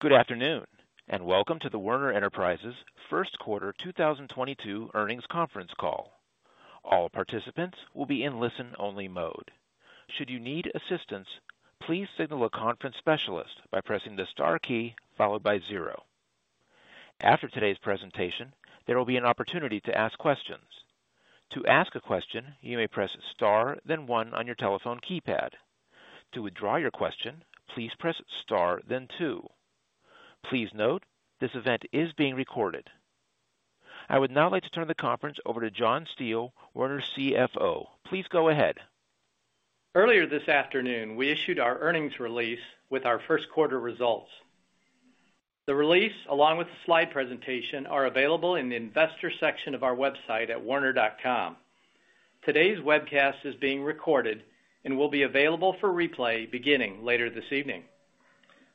Good afternoon, and welcome to the Werner Enterprises' first quarter 2022 earnings conference call. All participants will be in listen-only mode. Should you need assistance, please signal a conference specialist by pressing the star key followed by zero. After today's presentation, there will be an opportunity to ask questions. To ask a question, you may press star then one on your telephone keypad. To withdraw your question, please press star then two. Please note, this event is being recorded. I would now like to turn the conference over to John Steele, Werner CFO. Please go ahead. Earlier this afternoon, we issued our earnings release with our first quarter results. The release, along with the slide presentation, are available in the investor section of our website at werner.com. Today's webcast is being recorded and will be available for replay beginning later this evening.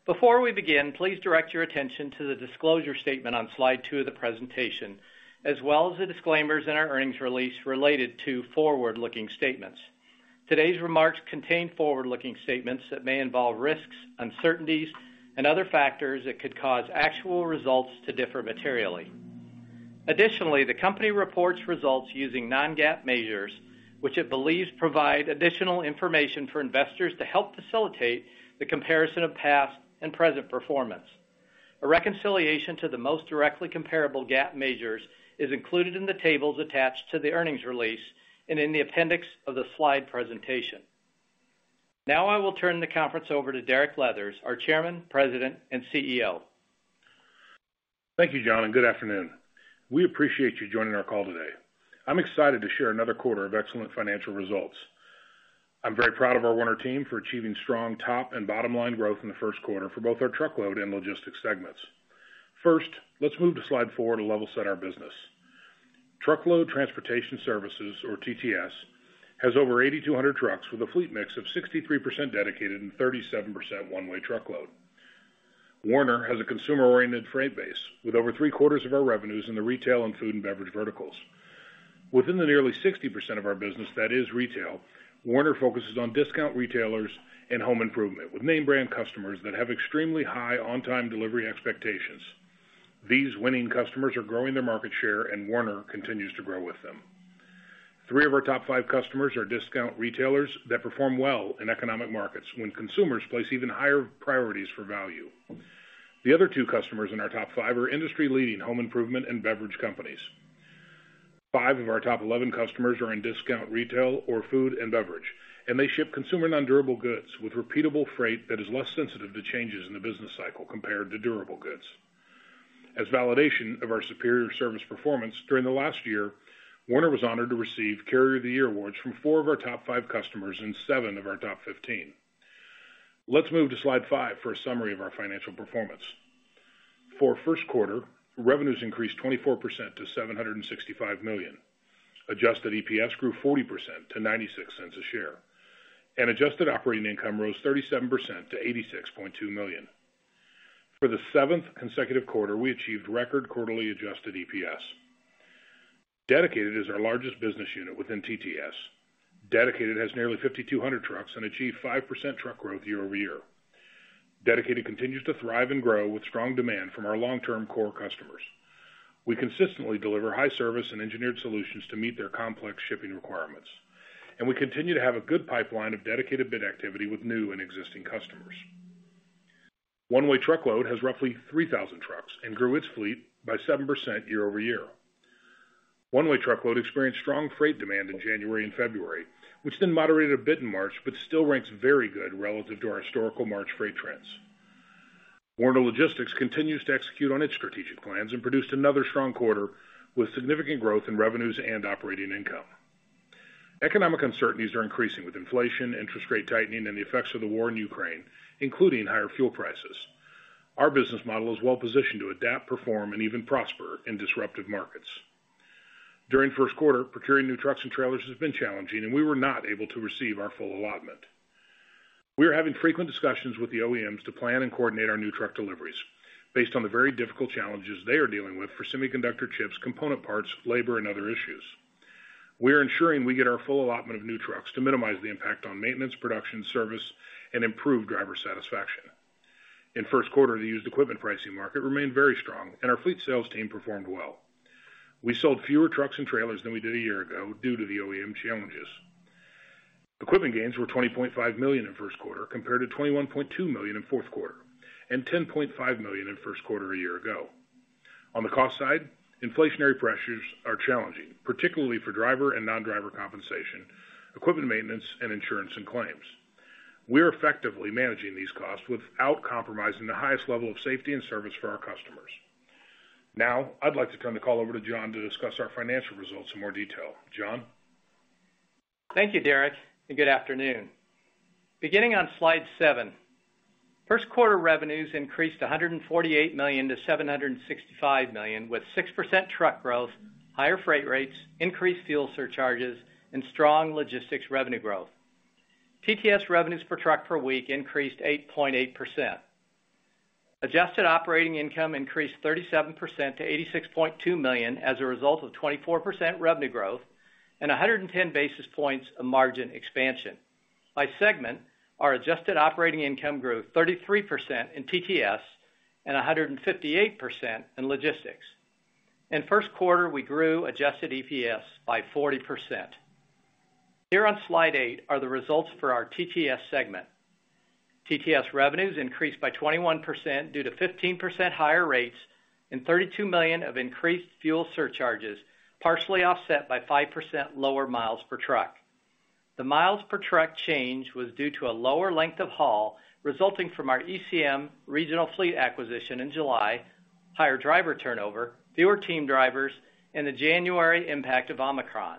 Before we begin, please direct your attention to the disclosure statement on slide two of the presentation, as well as the disclaimers in our earnings release related to forward-looking statements. Today's remarks contain forward-looking statements that may involve risks, uncertainties, and other factors that could cause actual results to differ materially. Additionally, the company reports results using non-GAAP measures, which it believes provide additional information for investors to help facilitate the comparison of past and present performance. A reconciliation to the most directly comparable GAAP measures is included in the tables attached to the earnings release and in the appendix of the slide presentation. Now I will turn the conference over to Derek Leathers, our Chairman, President, and CEO. Thank you, John, and good afternoon. We appreciate you joining our call today. I'm excited to share another quarter of excellent financial results. I'm very proud of our Werner team for achieving strong top and bottom line growth in the first quarter for both our truckload and logistics segments. First, let's move to slide four to level set our business. Truckload transportation services, or TTS, has over 8,200 trucks with a fleet mix of 63% dedicated and 37% one-way truckload. Werner has a consumer-oriented freight base, with over three-quarters of our revenues in the retail and food and beverage verticals. Within the nearly 60% of our business that is retail, Werner focuses on discount retailers and home improvement, with name brand customers that have extremely high on-time delivery expectations. These winning customers are growing their market share, and Werner continues to grow with them. Three of our top five customers are discount retailers that perform well in economic markets when consumers place even higher priorities for value. The other two customers in our top five are industry-leading home improvement and beverage companies. Five of our top 11 customers are in discount retail or food and beverage, and they ship consumer nondurable goods with repeatable freight that is less sensitive to changes in the business cycle compared to durable goods. As validation of our superior service performance, during the last year, Werner was honored to receive Carrier of the Year awards from four of our top five customers and seven of our top 15. Let's move to slide five for a summary of our financial performance. For first quarter, revenues increased 24% to $765 million. Adjusted EPS grew 40% to $0.96 a share, and adjusted operating income rose 37% to $86.2 million. For the seventh consecutive quarter, we achieved record quarterly adjusted EPS. Dedicated is our largest business unit within TTS. Dedicated has nearly 5,200 trucks and achieved 5% truck growth year-over-year. Dedicated continues to thrive and grow with strong demand from our long-term core customers. We consistently deliver high service and engineered solutions to meet their complex shipping requirements, and we continue to have a good pipeline of dedicated bid activity with new and existing customers. One-way truckload has roughly 3,000 trucks and grew its fleet by 7% year-over-year. One-way truckload experienced strong freight demand in January and February, which then moderated a bit in March, but still ranks very good relative to our historical March freight trends. Werner Logistics continues to execute on its strategic plans and produced another strong quarter with significant growth in revenues and operating income. Economic uncertainties are increasing with inflation, interest rate tightening, and the effects of the war in Ukraine, including higher fuel prices. Our business model is well-positioned to adapt, perform, and even prosper in disruptive markets. During first quarter, procuring new trucks and trailers has been challenging, and we were not able to receive our full allotment. We are having frequent discussions with the OEMs to plan and coordinate our new truck deliveries based on the very difficult challenges they are dealing with for semiconductor chips, component parts, labor, and other issues. We are ensuring we get our full allotment of new trucks to minimize the impact on maintenance, production, service, and improve driver satisfaction. In first quarter, the used equipment pricing market remained very strong and our fleet sales team performed well. We sold fewer trucks and trailers than we did a year ago due to the OEM challenges. Equipment gains were $20.5 million in first quarter compared to $21.2 million in fourth quarter, and $10.5 million in first quarter a year ago. On the cost side, inflationary pressures are challenging, particularly for driver and non-driver compensation, equipment maintenance, and insurance and claims. We are effectively managing these costs without compromising the highest level of safety and service for our customers. Now, I'd like to turn the call over to John to discuss our financial results in more detail. John? Thank you, Derek, and good afternoon. Beginning on slide seven, first quarter revenues increased $148 million to $765 million, with 6% truck growth, higher freight rates, increased fuel surcharges, and strong logistics revenue growth. TTS revenues per truck per week increased 8.8%. Adjusted operating income increased 37% to $86.2 million as a result of 24% revenue growth and 110 basis points of margin expansion. By segment, our adjusted operating income grew 33% in TTS and 158% in logistics. In first quarter, we grew adjusted EPS by 40%. Here on slide eight are the results for our TTS segment. TTS revenues increased by 21% due to 15% higher rates and $32 million of increased fuel surcharges, partially offset by 5% lower miles per truck. The miles per truck change was due to a lower length of haul resulting from our ECM regional fleet acquisition in July, higher driver turnover, fewer team drivers, and the January impact of Omicron.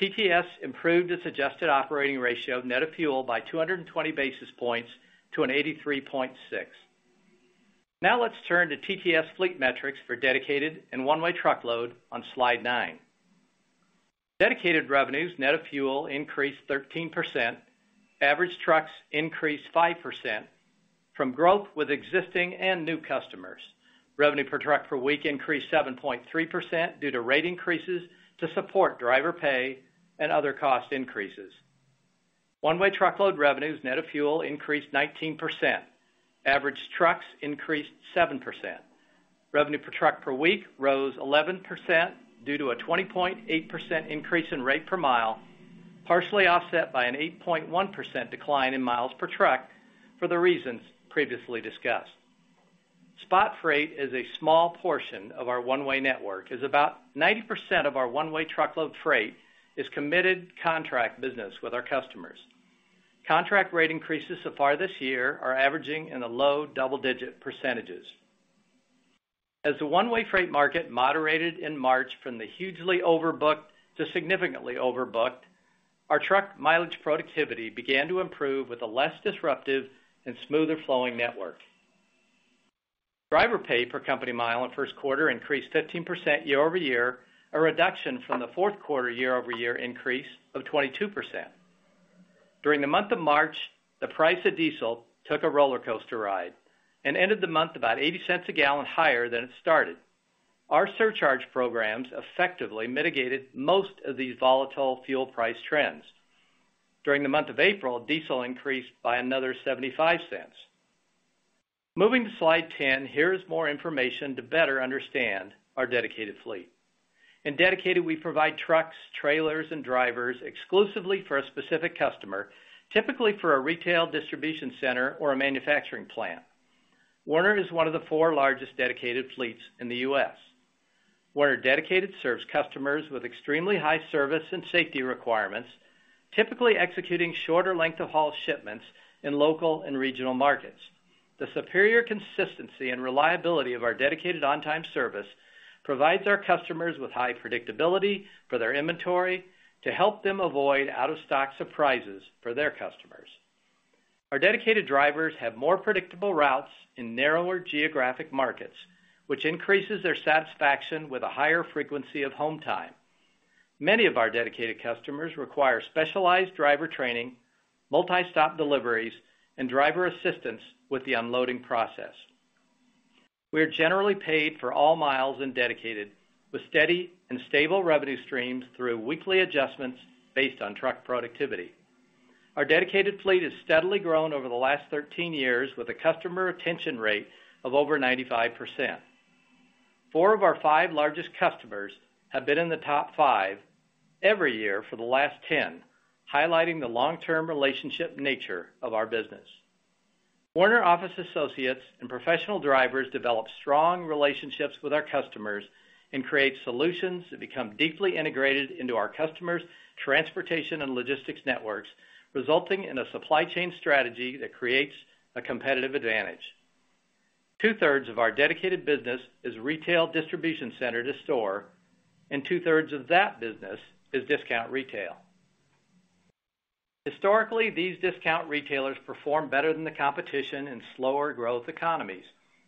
TTS improved its adjusted operating ratio net of fuel by 220 basis points to an 83.6. Now let's turn to TTS fleet metrics for dedicated and one-way truckload on slide nine. Dedicated revenues net of fuel increased 13%. Average trucks increased 5% from growth with existing and new customers. Revenue per truck per week increased 7.3% due to rate increases to support driver pay and other cost increases. One-way truckload revenues, net of fuel, increased 19%. Average trucks increased 7%. Revenue per truck per week rose 11% due to a 20.8% increase in rate per mile, partially offset by an 8.1% decline in miles per truck for the reasons previously discussed. Spot freight is a small portion of our one-way network, as about 90% of our one-way truckload freight is committed contract business with our customers. Contract rate increases so far this year are averaging in the low double-digit percentages. As the one-way freight market moderated in March from the hugely overbooked to significantly overbooked, our truck mileage productivity began to improve with a less disruptive and smoother flowing network. Driver pay per company mile in first quarter increased 15% year-over-year, a reduction from the fourth quarter year-over-year increase of 22%. During the month of March, the price of diesel took a roller coaster ride and ended the month about $0.80 a gallon higher than it started. Our surcharge programs effectively mitigated most of these volatile fuel price trends. During the month of April, diesel increased by another $0.75. Moving to slide 10, here is more information to better understand our dedicated fleet. In Dedicated, we provide trucks, trailers, and drivers exclusively for a specific customer, typically for a retail distribution center or a manufacturing plant. Werner is one of the four largest dedicated fleets in the U.S. Werner Dedicated serves customers with extremely high service and safety requirements, typically executing shorter length of haul shipments in local and regional markets. The superior consistency and reliability of our dedicated on-time service provides our customers with high predictability for their inventory to help them avoid out-of-stock surprises for their customers. Our dedicated drivers have more predictable routes in narrower geographic markets, which increases their satisfaction with a higher frequency of home time. Many of our dedicated customers require specialized driver training, multi-stop deliveries, and driver assistance with the unloading process. We are generally paid for all miles in Dedicated with steady and stable revenue streams through weekly adjustments based on truck productivity. Our Dedicated fleet has steadily grown over the last 13 years with a customer retention rate of over 95%. Four of our five largest customers have been in the top five every year for the last 10, highlighting the long-term relationship nature of our business. Werner office associates and professional drivers develop strong relationships with our customers and create solutions that become deeply integrated into our customers' transportation and logistics networks, resulting in a supply chain strategy that creates a competitive advantage. Two-thirds of our Dedicated business is retail distribution center to store, and two-thirds of that business is discount retail. Historically, these discount retailers perform better than the competition in slower growth economies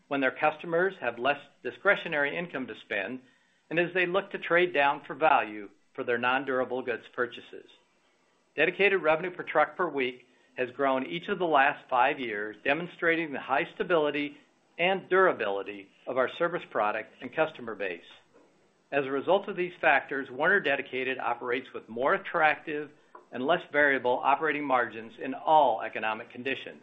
when their customers have less discretionary income to spend and as they look to trade down for value for their non-durable goods purchases. Dedicated revenue per truck per week has grown each of the last five years, demonstrating the high stability and durability of our service product and customer base. As a result of these factors, Werner Dedicated operates with more attractive and less variable operating margins in all economic conditions.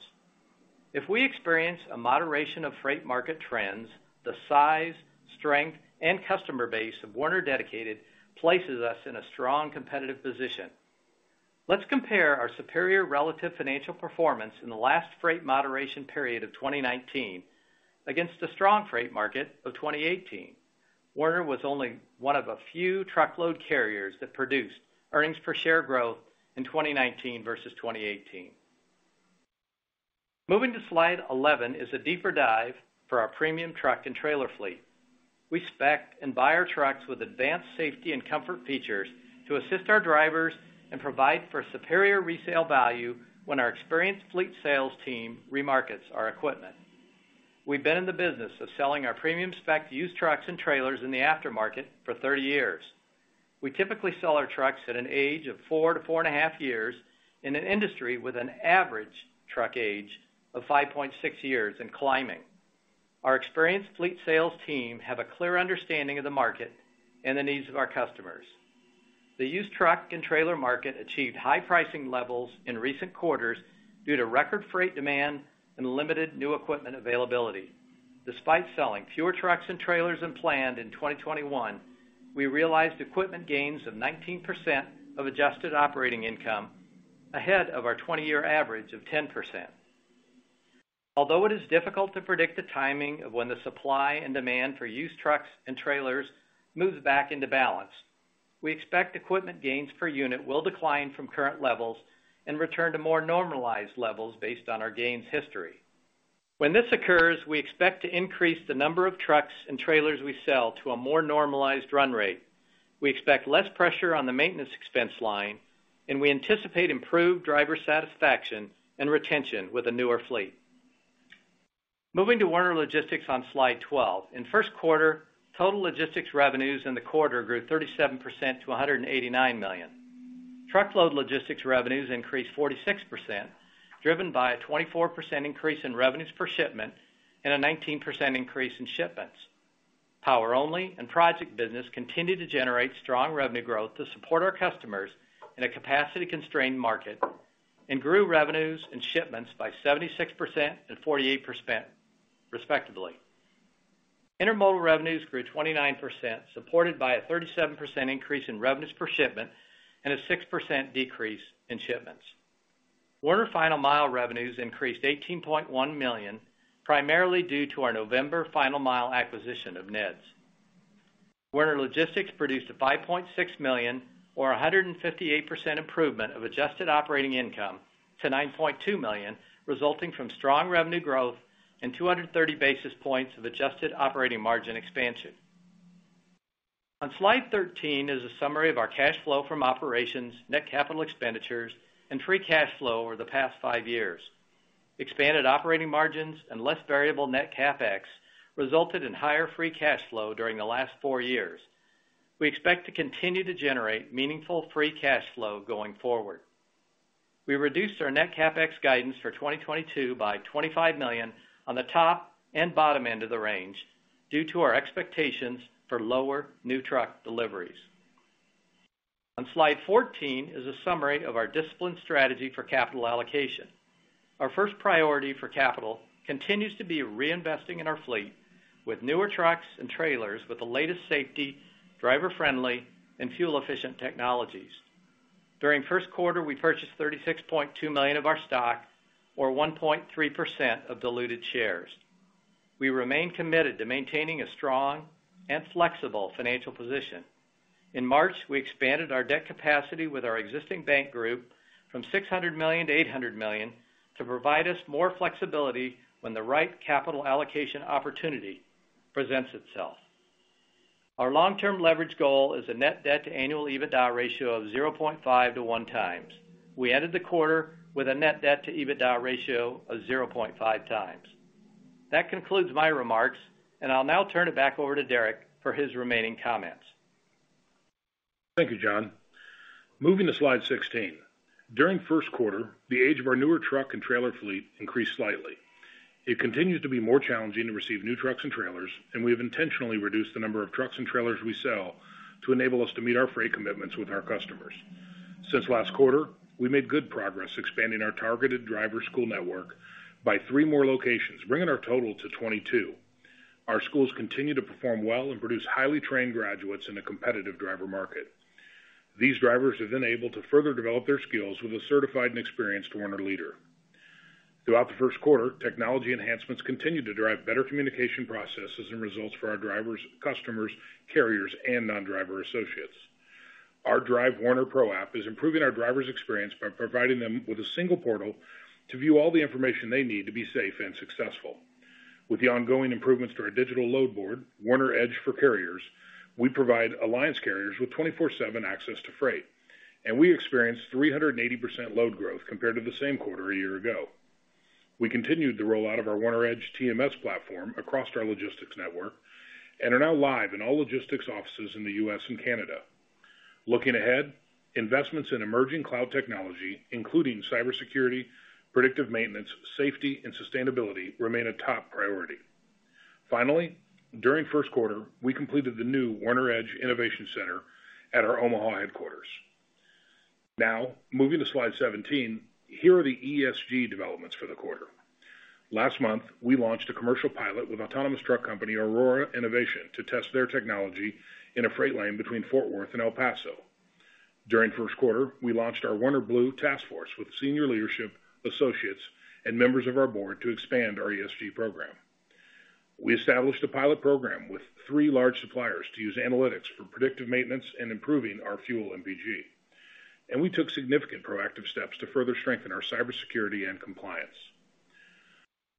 If we experience a moderation of freight market trends, the size, strength, and customer base of Werner Dedicated places us in a strong competitive position. Let's compare our superior relative financial performance in the last freight moderation period of 2019 against the strong freight market of 2018. Werner was only one of a few truckload carriers that produced earnings per share growth in 2019 versus 2018. Moving to slide 11 is a deeper dive for our premium truck and trailer fleet. We spec and buy our trucks with advanced safety and comfort features to assist our drivers and provide for superior resale value when our experienced fleet sales team remarkets our equipment. We've been in the business of selling our premium spec used trucks and trailers in the aftermarket for 30 years. We typically sell our trucks at an age of 4-4.5 years in an industry with an average truck age of 5.6 years and climbing. Our experienced fleet sales team have a clear understanding of the market and the needs of our customers. The used truck and trailer market achieved high pricing levels in recent quarters due to record freight demand and limited new equipment availability. Despite selling fewer trucks and trailers than planned in 2021, we realized equipment gains of 19% of adjusted operating income, ahead of our 20-year average of 10%. Although it is difficult to predict the timing of when the supply and demand for used trucks and trailers moves back into balance, we expect equipment gains per unit will decline from current levels and return to more normalized levels based on our gains history. When this occurs, we expect to increase the number of trucks and trailers we sell to a more normalized run rate. We expect less pressure on the maintenance expense line, and we anticipate improved driver satisfaction and retention with a newer fleet. Moving to Werner Logistics on slide 12. In first quarter, total logistics revenues in the quarter grew 37% to $189 million. Truckload logistics revenues increased 46%, driven by a 24% increase in revenues per shipment and a 19% increase in shipments. Power Only and project business continued to generate strong revenue growth to support our customers in a capacity-constrained market and grew revenues and shipments by 76% and 48% respectively. Intermodal revenues grew 29%, supported by a 37% increase in revenues per shipment and a 6% decrease in shipments. Werner Final Mile revenues increased $18.1 million, primarily due to our November final mile acquisition of NEHDS. Werner Logistics produced a $5.6 million or 158% improvement of adjusted operating income to $9.2 million, resulting from strong revenue growth and 230 basis points of adjusted operating margin expansion. On slide 13 is a summary of our cash flow from operations, net capital expenditures, and free cash flow over the past five years. Expanded operating margins and less variable net CapEx resulted in higher free cash flow during the last four years. We expect to continue to generate meaningful free cash flow going forward. We reduced our net CapEx guidance for 2022 by $25 million on the top and bottom end of the range due to our expectations for lower new truck deliveries. On slide 14 is a summary of our disciplined strategy for capital allocation. Our first priority for capital continues to be reinvesting in our fleet with newer trucks and trailers with the latest safety, driver-friendly, and fuel-efficient technologies. During first quarter, we purchased $36.2 million of our stock, or 1.3% of diluted shares. We remain committed to maintaining a strong and flexible financial position. In March, we expanded our debt capacity with our existing bank group from $600 million-$800 million to provide us more flexibility when the right capital allocation opportunity presents itself. Our long-term leverage goal is a net debt to annual EBITDA ratio of 0.5-1x. We ended the quarter with a net debt to EBITDA ratio of 0.5X. That concludes my remarks, and I'll now turn it back over to Derek for his remaining comments. Thank you, John. Moving to slide 16. During first quarter, the age of our newer truck and trailer fleet increased slightly. It continued to be more challenging to receive new trucks and trailers, and we have intentionally reduced the number of trucks and trailers we sell to enable us to meet our freight commitments with our customers. Since last quarter, we made good progress expanding our targeted driver school network by threemore locations, bringing our total to 22. Our schools continue to perform well and produce highly trained graduates in a competitive driver market. These drivers are then able to further develop their skills with a certified and experienced Werner leader. Throughout the first quarter, technology enhancements continued to drive better communication processes and results for our drivers, customers, carriers, and non-driver associates. Our Drive Werner Pro app is improving our drivers' experience by providing them with a single portal to view all the information they need to be safe and successful. With the ongoing improvements to our digital load board, Werner EDGE for Carriers, we provide alliance carriers with 24/7 access to freight, and we experienced 380% load growth compared to the same quarter a year ago. We continued the rollout of our Werner EDGE TMS platform across our logistics network and are now live in all logistics offices in the U.S. and Canada. Looking ahead, investments in emerging cloud technology, including cybersecurity, predictive maintenance, safety, and sustainability, remain a top priority. Finally, during first quarter, we completed the new Werner EDGE Innovation Center at our Omaha headquarters. Now, moving to slide 17, here are the ESG developments for the quarter. Last month, we launched a commercial pilot with autonomous truck company Aurora Innovation to test their technology in a freight line between Fort Worth and El Paso. During first quarter, we launched our Werner Blue task force with senior leadership associates and members of our board to expand our ESG program. We established a pilot program with three large suppliers to use analytics for predictive maintenance and improving our fuel MPG. We took significant proactive steps to further strengthen our cybersecurity and compliance.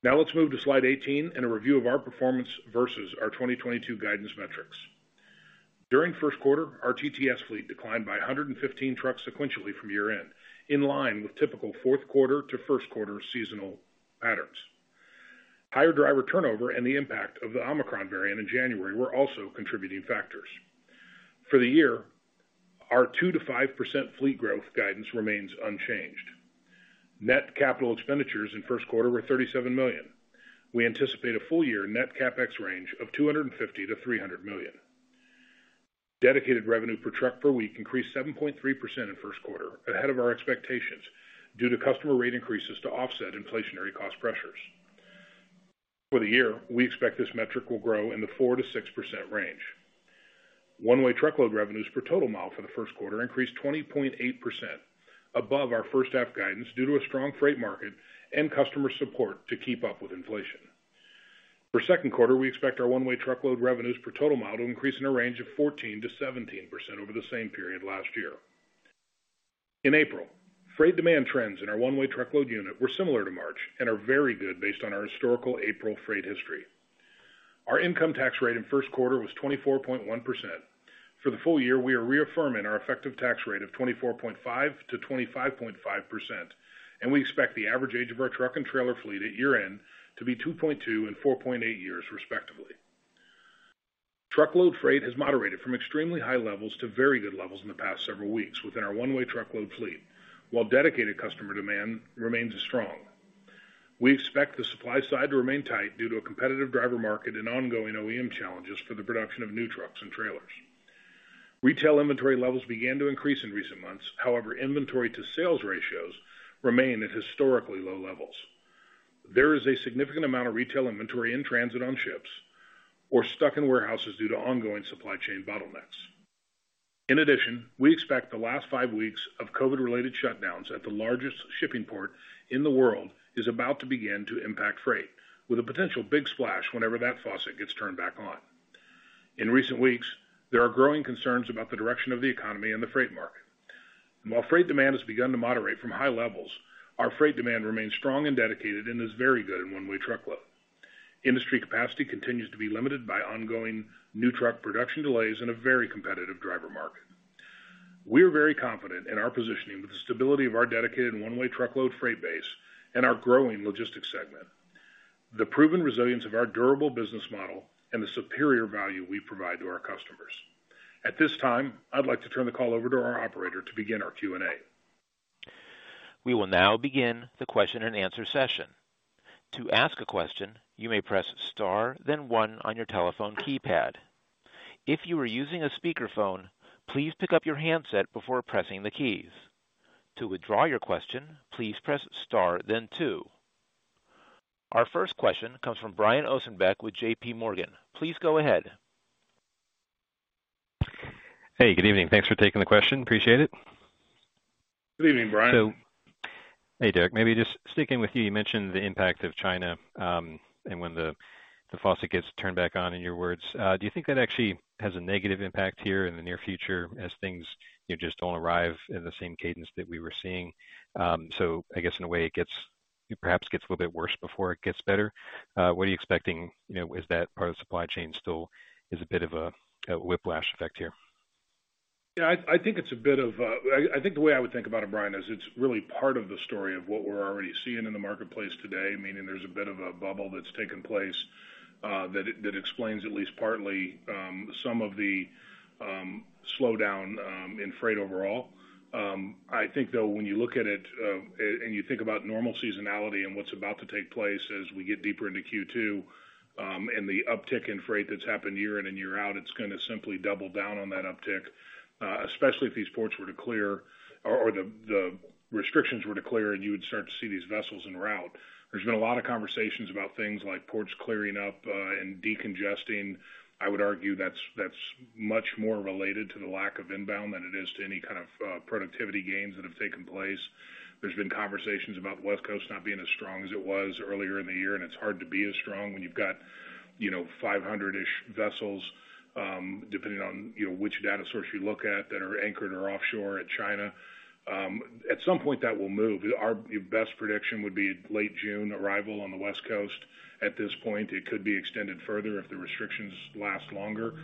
Now let's move to slide 18 and a review of our performance versus our 2022 guidance metrics. During first quarter, our TTS fleet declined by 115 trucks sequentially from year-end, in line with typical fourth quarter to first quarter seasonal patterns. Higher driver turnover and the impact of the Omicron variant in January were also contributing factors. For the year, our 2%-5% fleet growth guidance remains unchanged. Net capital expenditures in first quarter were $37 million. We anticipate a full year net CapEx range of $250 million-$300 million. Dedicated revenue per truck per week increased 7.3% in first quarter, ahead of our expectations due to customer rate increases to offset inflationary cost pressures. For the year, we expect this metric will grow in the 4%-6% range. One-way truckload revenues per total mile for the first quarter increased 20.8% above our first half guidance due to a strong freight market and customer support to keep up with inflation. For second quarter, we expect our one-way truckload revenues per total mile to increase in a range of 14%-17% over the same period last year. In April, freight demand trends in our one-way truckload unit were similar to March and are very good based on our historical April freight history. Our income tax rate in first quarter was 24.1%. For the full year, we are reaffirming our effective tax rate of 24.5%-25.5%, and we expect the average age of our truck and trailer fleet at year-end to be 2.2 and 4.8 years, respectively. Truckload freight has moderated from extremely high levels to very good levels in the past several weeks within our one-way truckload fleet. While dedicated customer demand remains strong, we expect the supply side to remain tight due to a competitive driver market and ongoing OEM challenges for the production of new trucks and trailers. Retail inventory levels began to increase in recent months, however, inventory to sales ratios remain at historically low levels. There is a significant amount of retail inventory in transit on ships or stuck in warehouses due to ongoing supply chain bottlenecks. In addition, we expect the last five weeks of COVID-related shutdowns at the largest shipping port in the world is about to begin to impact freight with a potential big splash whenever that faucet gets turned back on. In recent weeks, there are growing concerns about the direction of the economy and the freight market. While freight demand has begun to moderate from high levels, our freight demand remains strong and dedicated and is very good in one-way truckload. Industry capacity continues to be limited by ongoing new truck production delays in a very competitive driver market. We are very confident in our positioning with the stability of our dedicated and one-way truckload freight base and our growing logistics segment, the proven resilience of our durable business model and the superior value we provide to our customers. At this time, I'd like to turn the call over to our operator to begin our Q&A. We will now begin the question and answer session. To ask a question, you may press star then one on your telephone keypad. If you are using a speakerphone, please pick up your handset before pressing the keys. To withdraw your question, please press star then two. Our first question comes from Brian Ossenbeck with J.P. Morgan. Please go ahead. Hey, good evening. Thanks for taking the question. Appreciate it. Good evening, Brian. Hey, Derek, maybe just sticking with you. You mentioned the impact of China, and when the faucet gets turned back on, in your words. Do you think that actually has a negative impact here in the near future as things, you know, just don't arrive in the same cadence that we were seeing? I guess in a way, it gets perhaps a little bit worse before it gets better. What are you expecting, you know? Is that part of the supply chain still a bit of a whiplash effect here? Yeah, I think the way I would think about it, Brian, is it's really part of the story of what we're already seeing in the marketplace today, meaning there's a bit of a bubble that's taken place that explains at least partly some of the slowdown in freight overall. I think, though, when you look at it and you think about normal seasonality and what's about to take place as we get deeper into Q2 and the uptick in freight that's happened year in and year out, it's gonna simply double down on that uptick, especially if these ports were to clear or the restrictions were to clear, and you would start to see these vessels en route. There's been a lot of conversations about things like ports clearing up and decongesting. I would argue that's much more related to the lack of inbound than it is to any kind of productivity gains that have taken place. There's been conversations about West Coast not being as strong as it was earlier in the year, and it's hard to be as strong when you've got, you know, 500-ish vessels, depending on, you know, which data source you look at that are anchored or offshore at China. At some point that will move. Our best prediction would be late June arrival on the West Coast. At this point, it could be extended further if the restrictions last longer.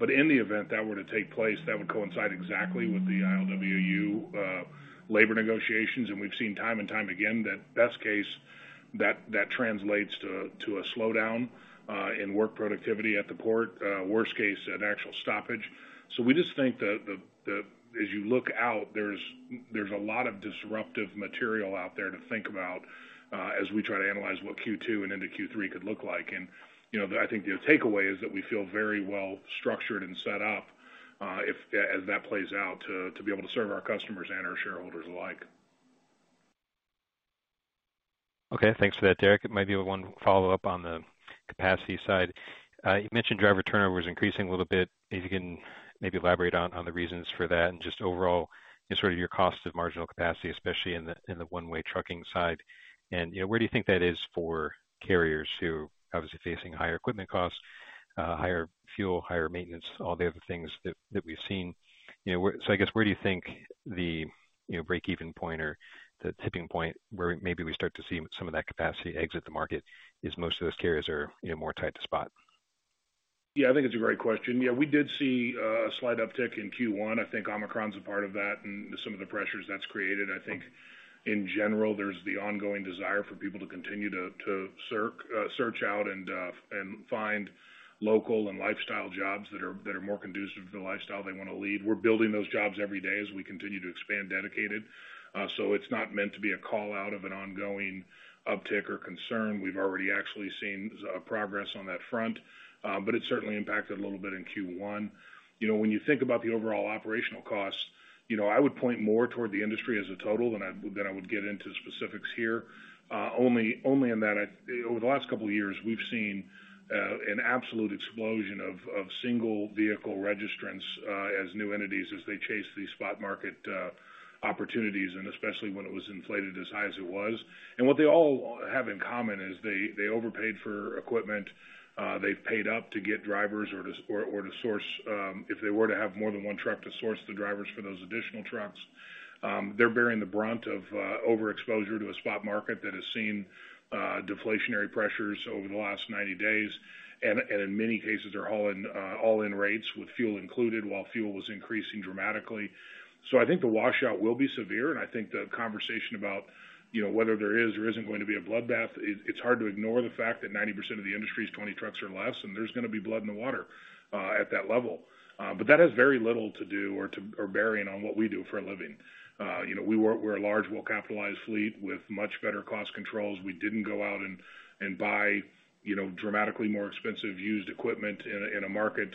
In the event that were to take place, that would coincide exactly with the ILWU labor negotiations. We've seen time and time again that best case, that translates to a slowdown in work productivity at the port, worst case, an actual stoppage. We just think that the as you look out, there's a lot of disruptive material out there to think about, as we try to analyze what Q2 and into Q3 could look like. You know, I think the takeaway is that we feel very well structured and set up, if, as that plays out, to be able to serve our customers and our shareholders alike. Okay. Thanks for that, Derek. Maybe one follow-up on the capacity side. You mentioned driver turnover is increasing a little bit. If you can maybe elaborate on the reasons for that and just overall sort of your cost of marginal capacity, especially in the one-way trucking side. You know, where do you think that is for carriers who are obviously facing higher equipment costs, higher fuel, higher maintenance, all the other things that we've seen? You know, where do you think the break-even point or the tipping point where maybe we start to see some of that capacity exit the market as most of those carriers are, you know, more tied to spot? Yeah, I think it's a great question. Yeah, we did see a slight uptick in Q1. I think Omicron is a part of that and some of the pressures that's created. I think in general, there's the ongoing desire for people to continue to search out and find local and lifestyle jobs that are more conducive to the lifestyle they wanna lead. We're building those jobs every day as we continue to expand dedicated. So it's not meant to be a call-out of an ongoing uptick or concern. We've already actually seen progress on that front, but it certainly impacted a little bit in Q1. You know, when you think about the overall operational costs, you know, I would point more toward the industry as a total than I would get into specifics here. Only in that over the last couple of years, we've seen an absolute explosion of single vehicle registrants as new entities as they chase these spot market opportunities, and especially when it was inflated as high as it was. What they all have in common is they overpaid for equipment, they paid up to get drivers or to source, if they were to have more than one truck, to source the drivers for those additional trucks. They're bearing the brunt of overexposure to a spot market that has seen deflationary pressures over the last 90 days. In many cases, they're all in rates with fuel included while fuel was increasing dramatically. I think the washout will be severe, and I think the conversation about, you know, whether there is or isn't going to be a bloodbath, it's hard to ignore the fact that 90% of the industry is 20 trucks or less, and there's gonna be blood in the water at that level. But that has very little to do or bearing on what we do for a living. You know, we're a large, well-capitalized fleet with much better cost controls. We didn't go out and buy, you know, dramatically more expensive used equipment in a market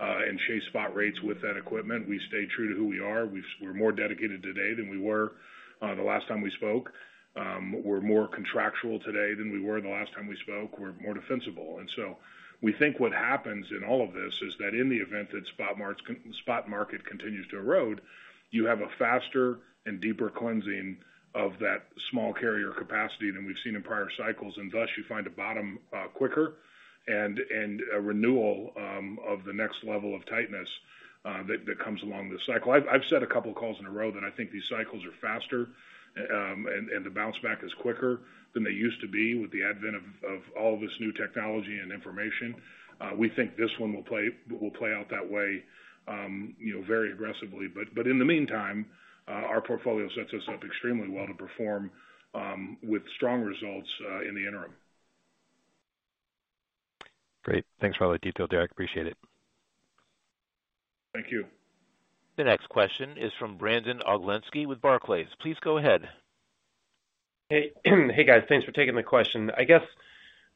and chase spot rates with that equipment. We stay true to who we are. We're more dedicated today than we were the last time we spoke. We're more contractual today than we were the last time we spoke. We're more defensible. We think what happens in all of this is that in the event that spot market continues to erode, you have a faster and deeper cleansing of that small carrier capacity than we've seen in prior cycles, and thus you find a bottom quicker and a renewal of the next level of tightness that comes along this cycle. I've said a couple of calls in a row that I think these cycles are faster and the bounce back is quicker than they used to be with the advent of all this new technology and information. We think this one will play out that way, you know, very aggressively. In the meantime, our portfolio sets us up extremely well to perform with strong results in the interim. Great. Thanks for all the detail, Derek. Appreciate it. Thank you. The next question is from Brandon Oglenski with Barclays. Please go ahead. Hey. Hey, guys. Thanks for taking the question. I guess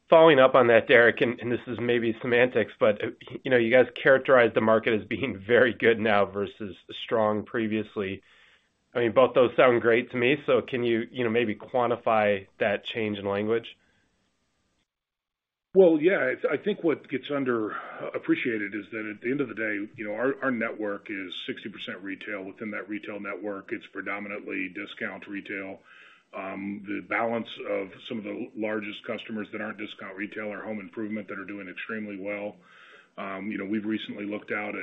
following up on that, Derek, and this is maybe semantics, but you know, you guys characterize the market as being very good now versus strong previously. I mean, both those sound great to me. Can you know, maybe quantify that change in language? Yeah. I think what gets underappreciated is that at the end of the day, you know, our network is 60% retail. Within that retail network, it's predominantly discount retail. The balance of some of the largest customers that aren't discount retail are home improvement that are doing extremely well. You know, we've recently looked at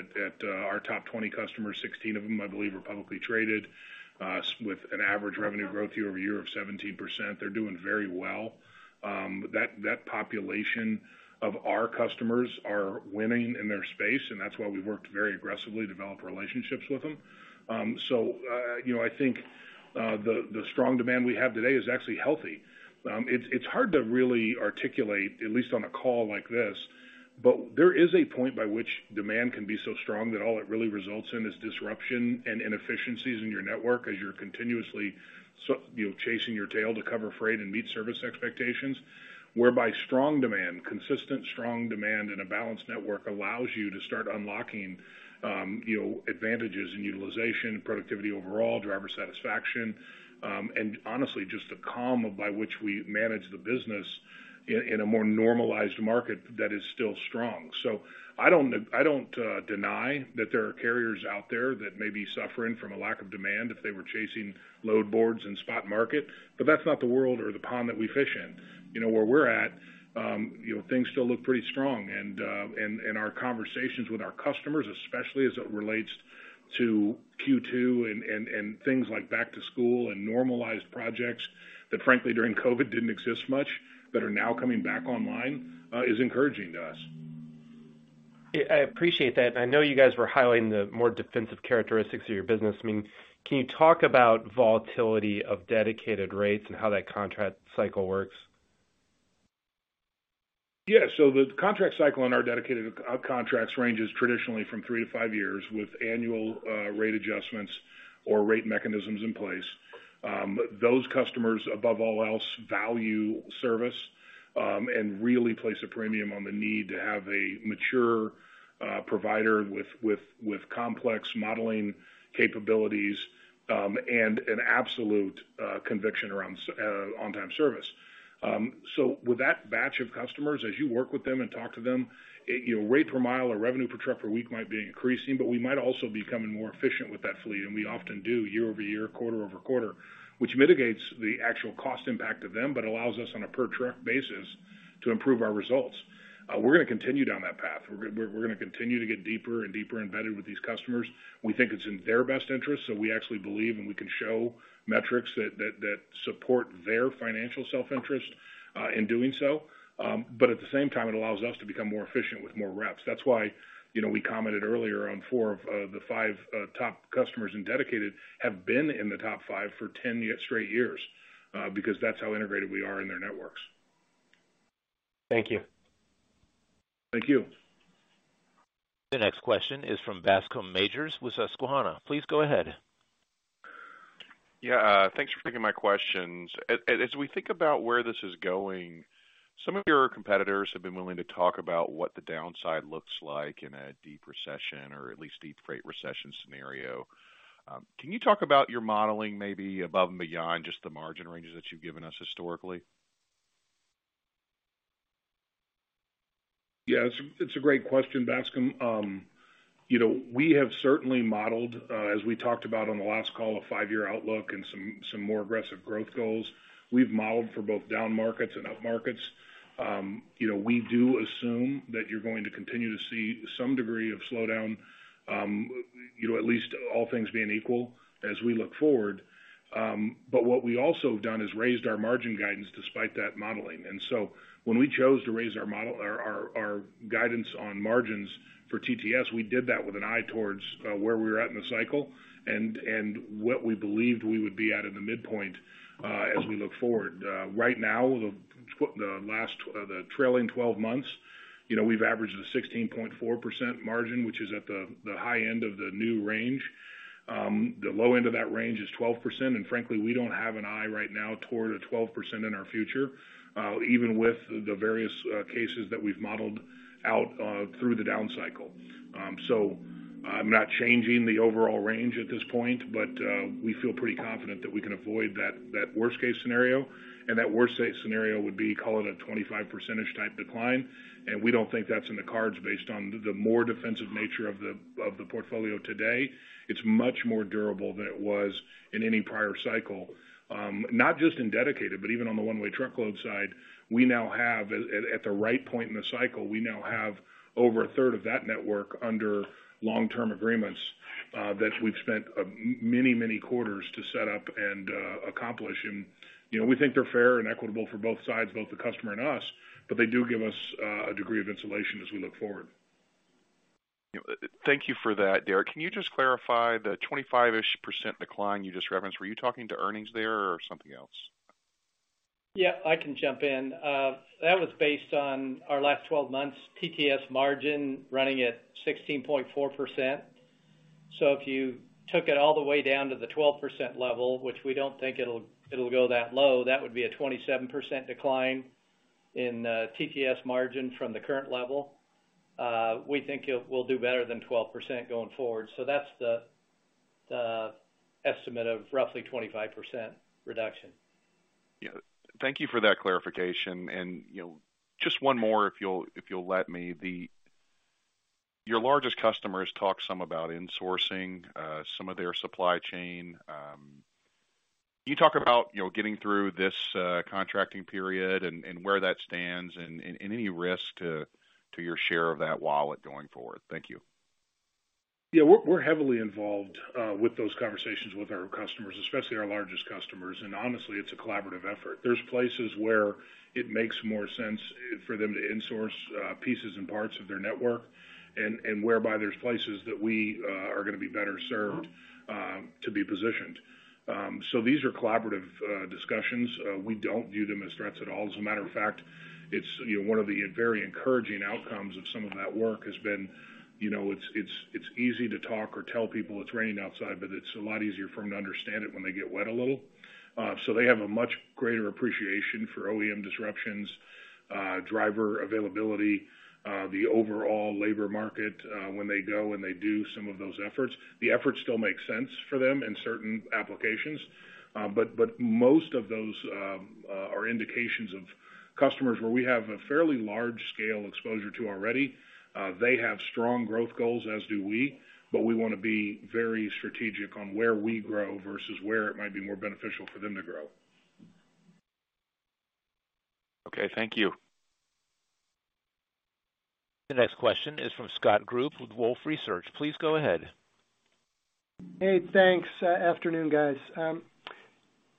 our top 20 customers. 16 of them, I believe, are publicly traded with an average revenue growth year-over-year of 17%. They're doing very well. That population of our customers are winning in their space, and that's why we've worked very aggressively to develop relationships with them. You know, I think the strong demand we have today is actually healthy. It's hard to really articulate, at least on a call like this, but there is a point by which demand can be so strong that all it really results in is disruption and inefficiencies in your network as you're continuously you know, chasing your tail to cover freight and meet service expectations. Whereby strong demand, consistent, strong demand in a balanced network allows you to start unlocking, you know, advantages in utilization, productivity overall, driver satisfaction, and honestly, just the calm by which we manage the business in a more normalized market that is still strong. I don't deny that there are carriers out there that may be suffering from a lack of demand if they were chasing load boards in spot market, but that's not the world or the pond that we fish in. You know, where we're at, you know, things still look pretty strong. Our conversations with our customers, especially as it relates to Q2 and things like back to school and normalized projects that frankly, during COVID, didn't exist much, but are now coming back online, is encouraging to us. Yeah, I appreciate that. I know you guys were highlighting the more defensive characteristics of your business. I mean, can you talk about volatility of dedicated rates and how that contract cycle works? Yeah. The contract cycle on our dedicated contracts ranges traditionally from 3-5 years with annual rate adjustments or rate mechanisms in place. Those customers, above all else, value service and really place a premium on the need to have a mature provider with complex modeling capabilities and an absolute conviction around on-time service. With that batch of customers, as you work with them and talk to them, it, you know, rate per mile or revenue per truck per week might be increasing, but we might also be becoming more efficient with that fleet, and we often do year-over-year, quarter-over-quarter, which mitigates the actual cost impact to them, but allows us on a per truck basis to improve our results. We're gonna continue down that path. We're gonna continue to get deeper and deeper embedded with these customers. We think it's in their best interest, so we actually believe and we can show metrics that support their financial self-interest. In doing so, but at the same time, it allows us to become more efficient with more reps. That's why, you know, we commented earlier on four of the five top customers in dedicated have been in the top five for 10 straight years, because that's how integrated we are in their networks. Thank you. Thank you. The next question is from Bascome Majors with Susquehanna. Please go ahead. Yeah, thanks for taking my questions. As we think about where this is going, some of your competitors have been willing to talk about what the downside looks like in a deep recession or at least deep freight recession scenario. Can you talk about your modeling maybe above and beyond just the margin ranges that you've given us historically? Yeah, it's a great question, Bascome. You know, we have certainly modeled, as we talked about on the last call, a five-year outlook and some more aggressive growth goals. We've modeled for both down markets and up markets. You know, we do assume that you're going to continue to see some degree of slowdown, you know, at least all things being equal as we look forward. What we also have done is raised our margin guidance despite that modeling. When we chose to raise our guidance on margins for TTS, we did that with an eye towards where we were at in the cycle and what we believed we would be at in the midpoint, as we look forward. Right now, the trailing twelve months, you know, we've averaged a 16.4% margin, which is at the high end of the new range. The low end of that range is 12%, and frankly, we don't have an eye right now toward a 12% in our future, even with the various cases that we've modeled out through the down cycle. So I'm not changing the overall range at this point, but we feel pretty confident that we can avoid that worst case scenario. That worst case scenario would be, call it a 25 percentage type decline. We don't think that's in the cards based on the more defensive nature of the portfolio today. It's much more durable than it was in any prior cycle. Not just in dedicated, but even on the one-way truckload side, we now have, at the right point in the cycle, over a third of that network under long-term agreements, that we've spent many quarters to set up and accomplish. You know, we think they're fair and equitable for both sides, both the customer and us, but they do give us a degree of insulation as we look forward. Thank you for that, Derek. Can you just clarify the 25-ish% decline you just referenced? Were you talking to earnings there or something else? Yeah, I can jump in. That was based on our last 12 months TTS margin running at 16.4%. If you took it all the way down to the 12% level, which we don't think it'll go that low, that would be a 27% decline in TTS margin from the current level. We think it will do better than 12% going forward. That's the estimate of roughly 25% reduction. Yeah. Thank you for that clarification. You know, just one more, if you'll let me. Your largest customers talk some about insourcing some of their supply chain. Can you talk about, you know, getting through this contracting period and where that stands and any risk to your share of that wallet going forward? Thank you. Yeah, we're heavily involved with those conversations with our customers, especially our largest customers. Honestly, it's a collaborative effort. There's places where it makes more sense for them to insource pieces and parts of their network, and whereby there's places that we are gonna be better served to be positioned. These are collaborative discussions. We don't view them as threats at all. As a matter of fact, you know, one of the very encouraging outcomes of some of that work has been, you know, it's easy to talk or tell people it's raining outside, but it's a lot easier for them to understand it when they get wet a little. They have a much greater appreciation for OEM disruptions, driver availability, the overall labor market, when they go and they do some of those efforts. The efforts still make sense for them in certain applications. But most of those are indications of customers where we have a fairly large scale exposure to already. They have strong growth goals, as do we, but we wanna be very strategic on where we grow versus where it might be more beneficial for them to grow. Okay. Thank you. The next question is from Scott Group with Wolfe Research. Please go ahead. Hey, thanks. Afternoon, guys.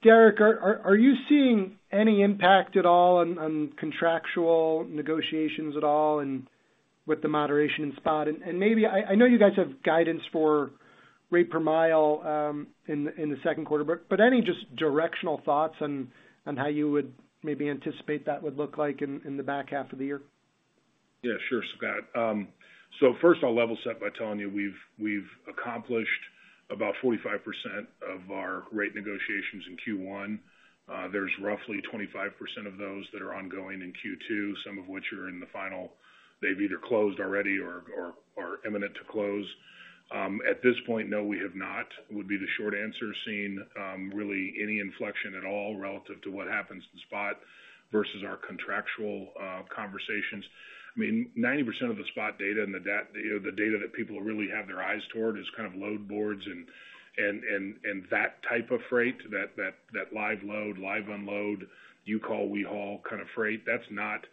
Derek, are you seeing any impact at all on contractual negotiations at all and with the moderation in spot? Maybe, I know you guys have guidance for rate per mile in the second quarter, but any just directional thoughts on how you would maybe anticipate that would look like in the back half of the year? Yeah, sure, Scott. So first I'll level set by telling you we've accomplished about 45% of our rate negotiations in Q1. There's roughly 25% of those that are ongoing in Q2, some of which are in the final. They've either closed already or imminent to close. At this point, no, we have not, would be the short answer, seen really any inflection at all relative to what happens in spot versus our contractual conversations. I mean, 90% of the spot data and the data that people really have their eyes toward is kind of load boards and that type of freight, that live load, live unload, you call, we haul kind of freight. That's not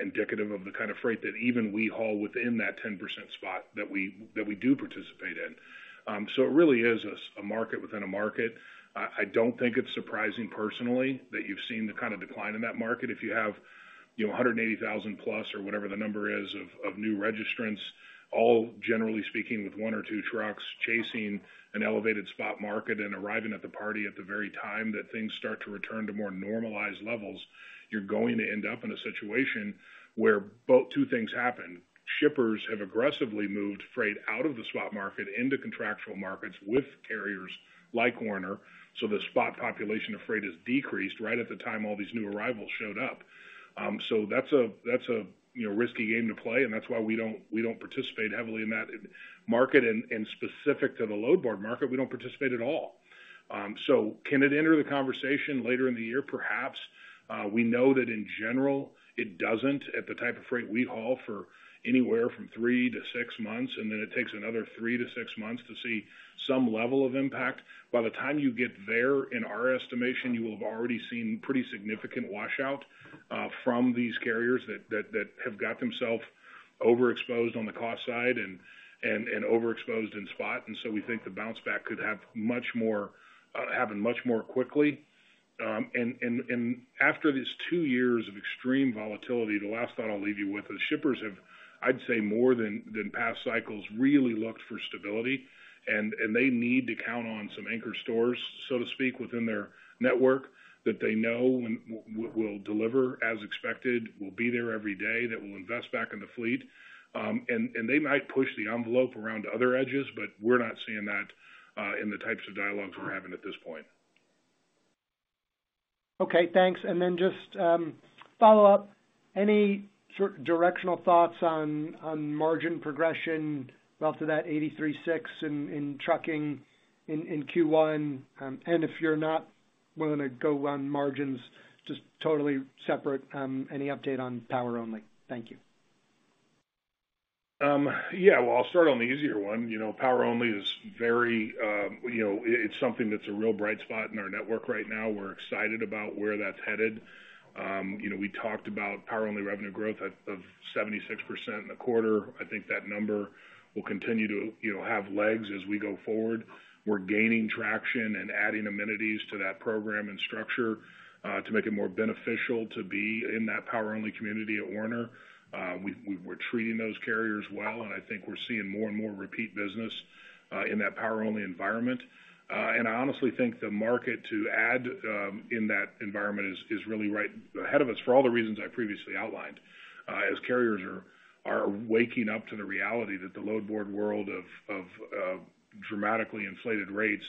indicative of the kind of freight that even we haul within that 10% spot that we do participate in. So it really is a market within a market. I don't think it's surprising personally that you've seen the kind of decline in that market. If you have, you know, 180,000r whatever the number is of new registrants, all generally speaking with one or two trucks chasing an elevated spot market and arriving at the party at the very time that things start to return to more normalized levels, you're going to end up in a situation where both two things happen. Shippers have aggressively moved freight out of the spot market into contractual markets with carriers like Werner. The spot population of freight has decreased right at the time all these new arrivals showed up. That's a you know risky game to play, and that's why we don't participate heavily in that market. Specific to the load board market, we don't participate at all. Can it enter the conversation later in the year? Perhaps. We know that in general, it doesn't at the type of freight we haul for anywhere from 3-6 months, and then it takes another 3-6 months to see some level of impact. By the time you get there, in our estimation, you will have already seen pretty significant washout from these carriers that have got themselves overexposed on the cost side and overexposed in spot. We think the bounce back could happen much more quickly. After these two years of extreme volatility, the last thought I'll leave you with, the shippers have, I'd say more than past cycles, really looked for stability. They need to count on some anchor stores, so to speak, within their network that they know will deliver as expected, will be there every day, that will invest back in the fleet. They might push the envelope around other edges, but we're not seeing that in the types of dialogues we're having at this point. Okay, thanks. Just follow up. Any sort of directional thoughts on margin progression after that 83.6% in trucking in Q1? If you're not willing to go on margins, just totally separate, any update on Power Only? Thank you. Yeah. Well, I'll start on the easier one. You know, Power Only is very, you know. It's something that's a real bright spot in our network right now. We're excited about where that's headed. You know, we talked about Power Only revenue growth of 76% in the quarter. I think that number will continue to, you know, have legs as we go forward. We're gaining traction and adding amenities to that program and structure, to make it more beneficial to be in that Power Only community at Werner. We're treating those carriers well, and I think we're seeing more and more repeat business, in that Power Only environment. I honestly think the market to add, in that environment is really right ahead of us for all the reasons I previously outlined. As carriers are waking up to the reality that the load board world of dramatically inflated rates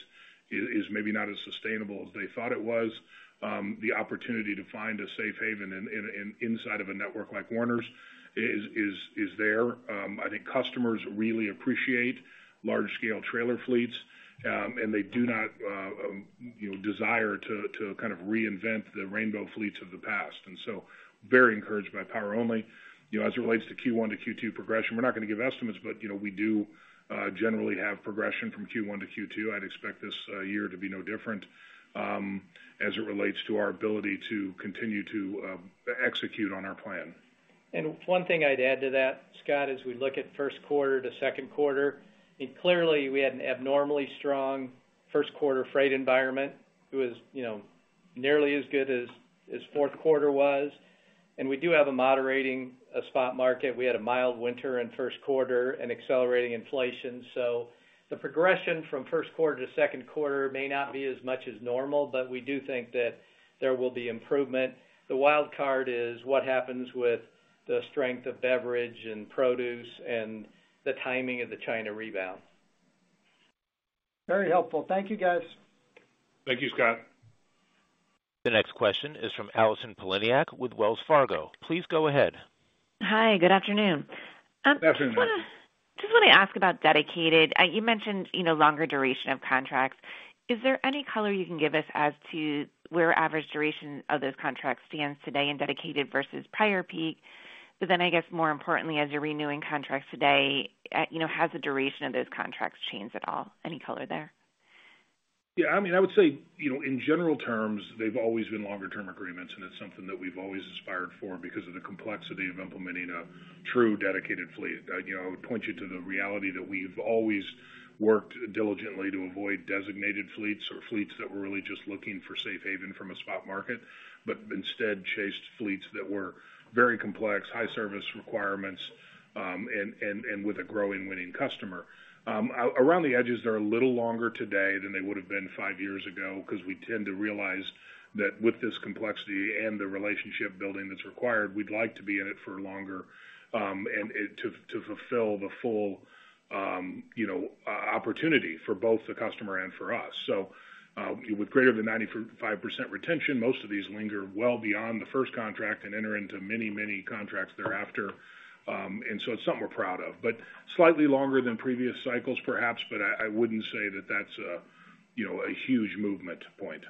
is maybe not as sustainable as they thought it was, the opportunity to find a safe haven inside of a network like Werner's is there. I think customers really appreciate large scale trailer fleets, and they do not, you know, desire to kind of reinvent the rainbow fleets of the past, and so very encouraged by Power Only. You know, as it relates to Q1 to Q2 progression, we're not going to give estimates, but, you know, we do generally have progression from Q1 to Q2. I'd expect this year to be no different, as it relates to our ability to continue to execute on our plan. One thing I'd add to that, Scott, as we look at first quarter to second quarter, I mean, clearly we had an abnormally strong first quarter freight environment. It was, you know, nearly as good as fourth quarter was. We do have a moderating spot market. We had a mild winter in first quarter and accelerating inflation. The progression from first quarter to second quarter may not be as much as normal, but we do think that there will be improvement. The wild card is what happens with the strength of beverage and produce and the timing of the China rebound. Very helpful. Thank you, guys. Thank you, Scott. The next question is from Allison Poliniak with Wells Fargo. Please go ahead. Hi, good afternoon. Afternoon. I just wanna ask about dedicated. You mentioned, you know, longer duration of contracts. Is there any color you can give us as to where average duration of those contracts stands today in dedicated versus prior peak? I guess more importantly, as you're renewing contracts today, you know, has the duration of those contracts changed at all? Any color there? Yeah, I mean, I would say, you know, in general terms, they've always been longer term agreements, and it's something that we've always aspired for because of the complexity of implementing a true dedicated fleet. You know, I would point you to the reality that we've always worked diligently to avoid designated fleets or fleets that were really just looking for safe haven from a spot market. Instead chased fleets that were very complex, high service requirements, and with a growing winning customer. Around the edges, they're a little longer today than they would have been five years ago, 'cause we tend to realize that with this complexity and the relationship building that's required, we'd like to be in it for longer, and to fulfill the full, you know, opportunity for both the customer and for us. With greater than 95% retention, most of these linger well beyond the first contract anid enter into many, many contracts thereafter. It's something we're proud of. Slightly longer than previous cycles, perhaps, but I wouldn't say that that's a, you know, a huge movement point.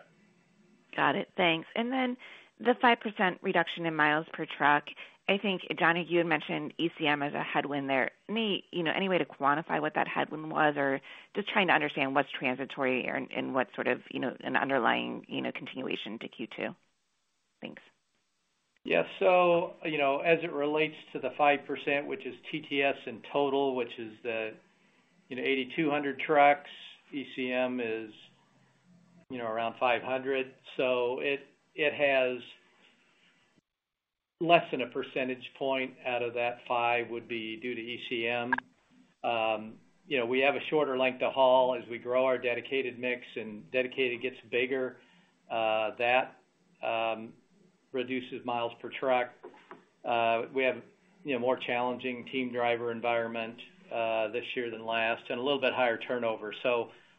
Got it. Thanks. The 5% reduction in miles per truck. I think, John Steele, you had mentioned ECM as a headwind there. Any, you know, any way to quantify what that headwind was? Or just trying to understand what's transitory and what sort of, you know, an underlying, you know, continuation to Q2. Thanks. Yeah. You know, as it relates to the 5%, which is TTS in total, which is the 8,200 trucks, ECM is around 500. It has less than a percentage point out of that 5% would be due to ECM. You know, we have a shorter length to haul as we grow our dedicated mix, and dedicated gets bigger, that reduces miles per truck. We have, you know, more challenging team driver environment this year than last, and a little bit higher turnover.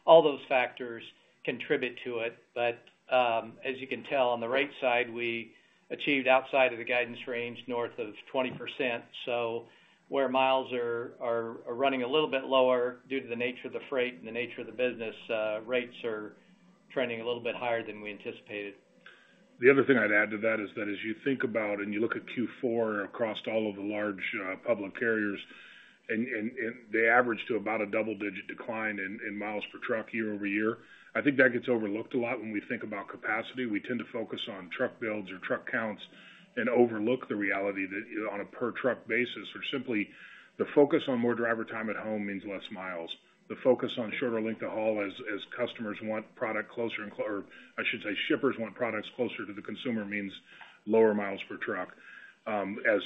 All those factors contribute to it. As you can tell on the rate side, we achieved outside of the guidance range, north of 20%. Where miles are running a little bit lower due to the nature of the freight and the nature of the business, rates are trending a little bit higher than we anticipated. The other thing I'd add to that is that as you think about and you look at Q4 across all of the large, public carriers, and they average to about a double-digit decline in miles per truck year-over-year. I think that gets overlooked a lot when we think about capacity. We tend to focus on truck builds or truck counts and overlook the reality that on a per truck basis, or simply the focus on more driver time at home means less miles. The focus on shorter length of haul as customers want product closer or I should say, shippers want products closer to the consumer means lower miles per truck. As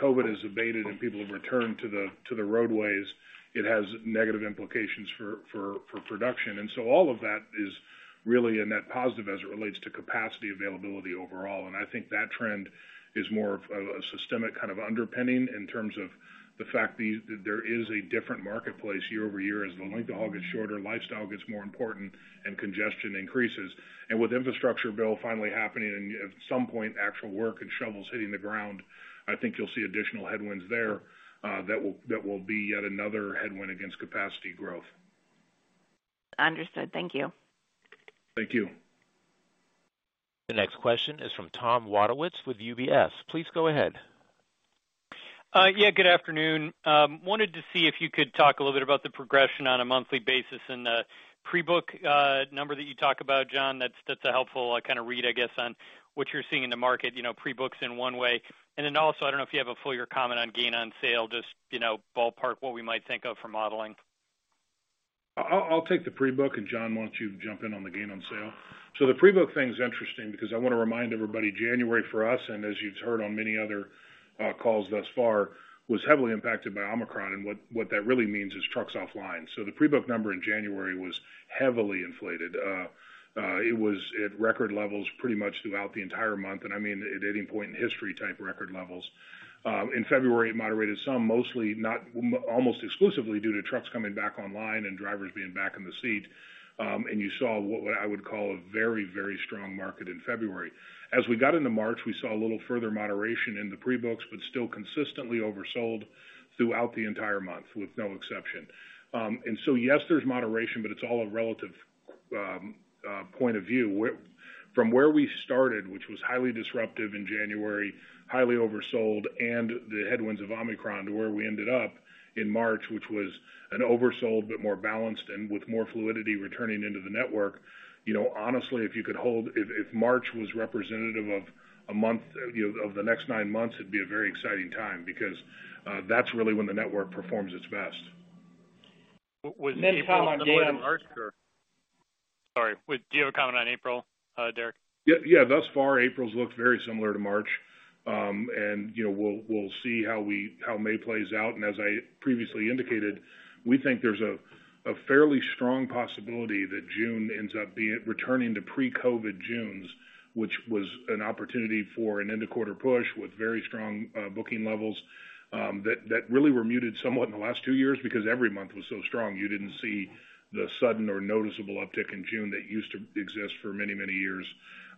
COVID has abated and people have returned to the roadways, it has negative implications for production. All of that is really a net positive as it relates to capacity availability overall. I think that trend is more of a systemic kind of underpinning in terms of the fact that there is a different marketplace year-over-year as the length of haul gets shorter, lifestyle gets more important, and congestion increases. With infrastructure bill finally happening and at some point actual work and shovels hitting the ground, I think you'll see additional headwinds there, that will be yet another headwind against capacity growth. Understood. Thank you. Thank you. The next question is from Thom Wadewitz with UBS. Please go ahead. Yeah, good afternoon. Wanted to see if you could talk a little bit about the progression on a monthly basis and the pre-book number that you talk about, John. That's a helpful kind of read, I guess, on what you're seeing in the market, you know, pre-books in one way. Then also, I don't know if you have a fuller comment on gain on sale, just, you know, ballpark what we might think of for modeling. I'll take the pre-book, and John, why don't you jump in on the gain on sale? The pre-book thing is interesting because I want to remind everybody, January for us, and as you've heard on many other calls thus far, was heavily impacted by Omicron, and what that really means is trucks offline. The pre-book number in January was heavily inflated. It was at record levels pretty much throughout the entire month, and I mean, at any point in history-type record levels. In February, it moderated some, almost exclusively due to trucks coming back online and drivers being back in the seat. And you saw what I would call a very strong market in February. As we got into March, we saw a little further moderation in the pre-books, but still consistently oversold throughout the entire month with no exception. Yes, there's moderation, but it's all a relative point of view. From where we started, which was highly disruptive in January, highly oversold, and the headwinds of Omicron to where we ended up in March, which was an oversold but more balanced and with more fluidity returning into the network. You know, honestly, if you could hold, if March was representative of a month, you know, of the next nine months, it'd be a very exciting time because that's really when the network performs its best. Was April similar to March, or? Sorry. Do you have a comment on April, Derek? Yeah, thus far, April's looked very similar to March. You know, we'll see how May plays out. As I previously indicated, we think there's a fairly strong possibility that June ends up being returning to pre-COVID Junes, which was an opportunity for an end-of-quarter push with very strong booking levels that really were muted somewhat in the last two years because every month was so strong. You didn't see the sudden or noticeable uptick in June that used to exist for many, many years.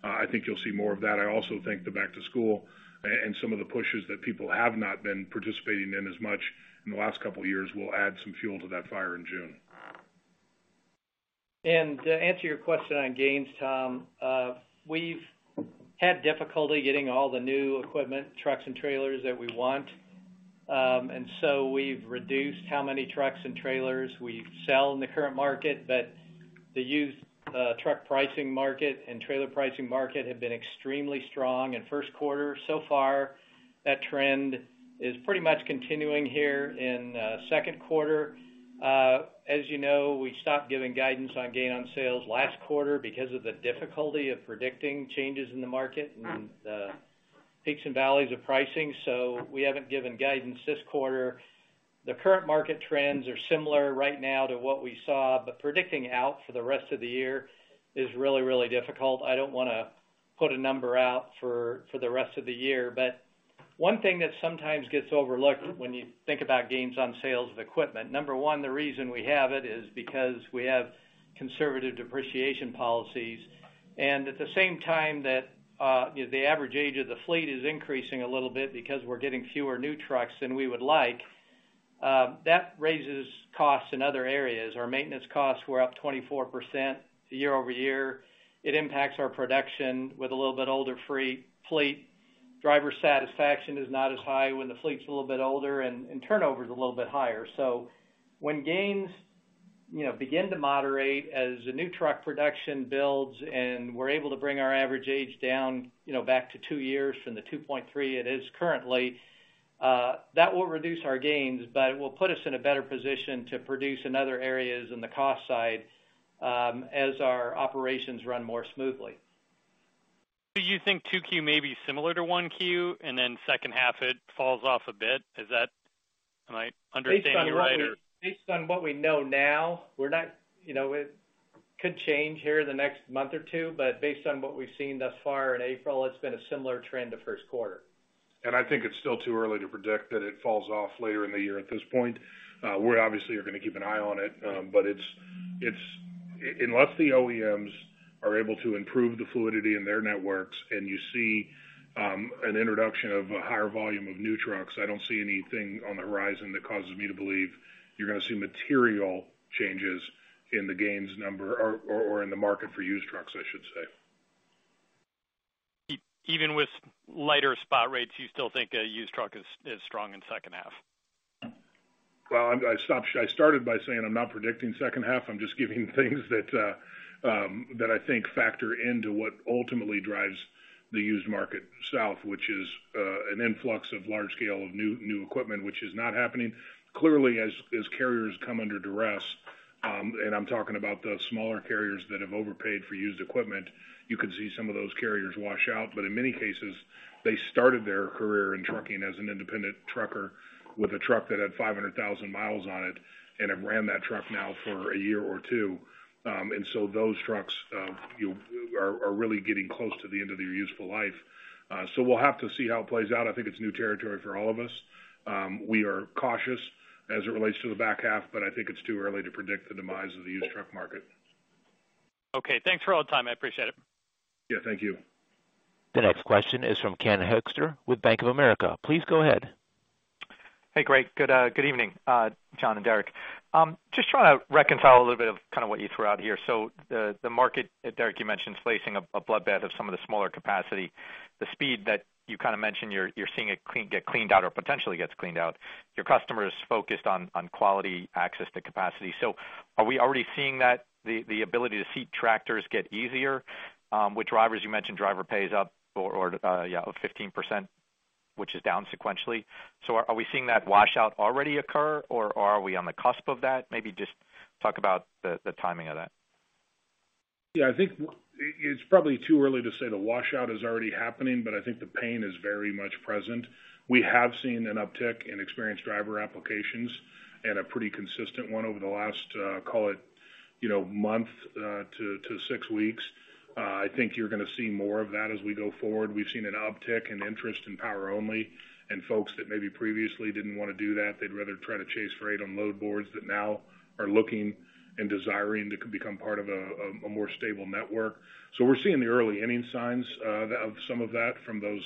I think you'll see more of that. I also think the back to school and some of the pushes that people have not been participating in as much in the last couple of years will add some fuel to that fire in June. To answer your question on gains, Tom, we've had difficulty getting all the new equipment, trucks and trailers that we want. We've reduced how many trucks and trailers we sell in the current market. The used truck pricing market and trailer pricing market have been extremely strong in first quarter. So far, that trend is pretty much continuing here in second quarter. As you know, we stopped giving guidance on gain on sales last quarter because of the difficulty of predicting changes in the market and the peaks and valleys of pricing, so we haven't given guidance this quarter. The current market trends are similar right now to what we saw, but predicting out for the rest of the year is really, really difficult. I don't wanna put a number out for the rest of the year, but one thing that sometimes gets overlooked when you think about gains on sales of equipment, number one, the reason we have it is because we have conservative depreciation policies. At the same time that the average age of the fleet is increasing a little bit because we're getting fewer new trucks than we would like, that raises costs in other areas. Our maintenance costs were up 24% year-over-year. It impacts our production with a little bit older fleet. Driver satisfaction is not as high when the fleet's a little bit older and turnover is a little bit higher. When gains, you know, begin to moderate as the new truck production builds and we're able to bring our average age down, you know, back to two years from the 2.3 it is currently, that will reduce our gains, but it will put us in a better position to produce in other areas in the cost side, as our operations run more smoothly. You think 2Q may be similar to 1Q, and then second half it falls off a bit. Am I understanding you right or? Based on what we know now, we're not, you know, it could change here in the next month or two, but based on what we've seen thus far in April, it's been a similar trend to first quarter. I think it's still too early to predict that it falls off later in the year at this point. We obviously are gonna keep an eye on it, but it's unless the OEMs are able to improve the fluidity in their networks and you see an introduction of a higher volume of new trucks, I don't see anything on the horizon that causes me to believe you're gonna see material changes in the gains number or in the market for used trucks, I should say. Even with lighter spot rates, you still think a used truck is strong in second half. Well, I started by saying I'm not predicting second half. I'm just giving things that I think factor into what ultimately drives the used market south, which is an influx of large scale of new equipment, which is not happening. Clearly, as carriers come under duress, and I'm talking about the smaller carriers that have overpaid for used equipment, you could see some of those carriers wash out. In many cases, they started their career in trucking as an independent trucker with a truck that had 500,000 mi on it and have ran that truck now for a year or two. Those trucks are really getting close to the end of their useful life. We'll have to see how it plays out. I think it's new territory for all of us. We are cautious as it relates to the back half, but I think it's too early to predict the demise of the used truck market. Okay. Thanks for all the time. I appreciate it. Yeah, thank you. The next question is from Ken Hoexter with Bank of America. Please go ahead. Hey, great. Good evening, John and Derek. Just trying to reconcile a little bit of kind of what you threw out here. The market that, Derek, you mentioned is facing a bloodbath of some of the smaller capacity. The speed that you kind of mentioned you're seeing it get cleaned out or potentially gets cleaned out. Your customers focused on quality access to capacity. Are we already seeing that the ability to seat tractors get easier? With drivers, you mentioned driver pay is up or yeah, 15%, which is down sequentially. Are we seeing that washout already occur, or are we on the cusp of that? Maybe just talk about the timing of that. Yeah, I think it's probably too early to say the washout is already happening, but I think the pain is very much present. We have seen an uptick in experienced driver applications and a pretty consistent one over the last, call it, you know, month to six weeks. I think you're gonna see more of that as we go forward. We've seen an uptick in interest in Power Only, and folks that maybe previously didn't want to do that, they'd rather try to chase freight on load boards that now are looking and desiring to become part of a more stable network. We're seeing the early inning signs of some of that from those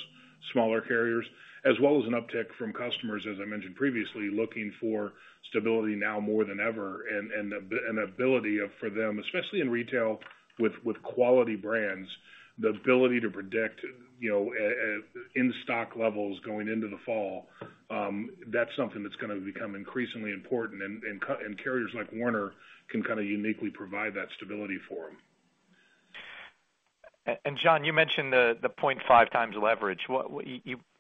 smaller carriers, as well as an uptick from customers, as I mentioned previously, looking for stability now more than ever, and an ability for them, especially in retail with quality brands, the ability to predict, you know, in-stock levels going into the fall. That's something that's gonna become increasingly important, and carriers like Werner can kinda uniquely provide that stability for them. John, you mentioned the 0.5x leverage. What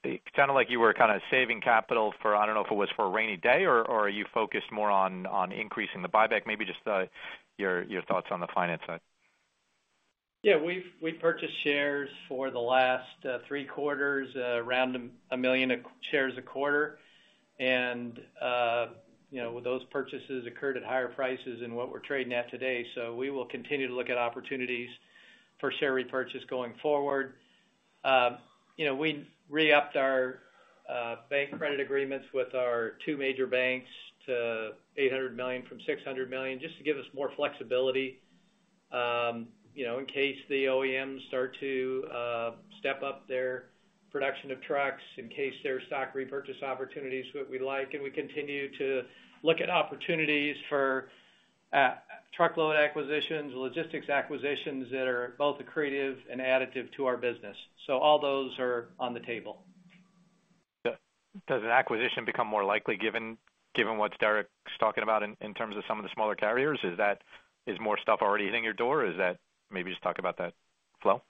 it sounded like you were kinda saving capital for, I don't know if it was for a rainy day, or are you focused more on increasing the buyback? Maybe just your thoughts on the finance side. Yeah, we've purchased shares for the last three quarters, around 1 million shares a quarter. You know, those purchases occurred at higher prices than what we're trading at today. We will continue to look at opportunities for share repurchase going forward. You know, we re-upped our bank credit agreements with our two major banks to $800 million from $600 million just to give us more flexibility, you know, in case the OEMs start to step up their production of trucks, in case there are stock repurchase opportunities that we like. We continue to look at opportunities for truckload acquisitions, logistics acquisitions that are both accretive and additive to our business. All those are on the table. Does an acquisition become more likely given what Derek's talking about in terms of some of the smaller carriers? Is that more stuff already hitting your door? Is that maybe just talk about that flow.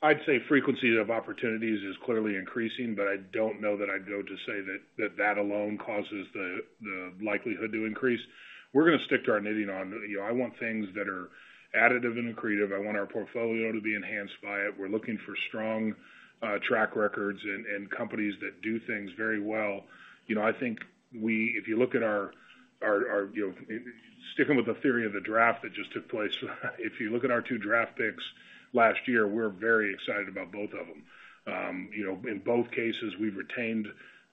I'd say frequency of opportunities is clearly increasing, but I don't know that I'd go to say that that alone causes the likelihood to increase. We're gonna stick to our knitting on. You know, I want things that are additive and accretive. I want our portfolio to be enhanced by it. We're looking for strong track records and companies that do things very well. You know, I think if you look at our you know sticking with the theory of the draft that just took place, if you look at our two draft picks last year, we're very excited about both of them. You know, in both cases, we've retained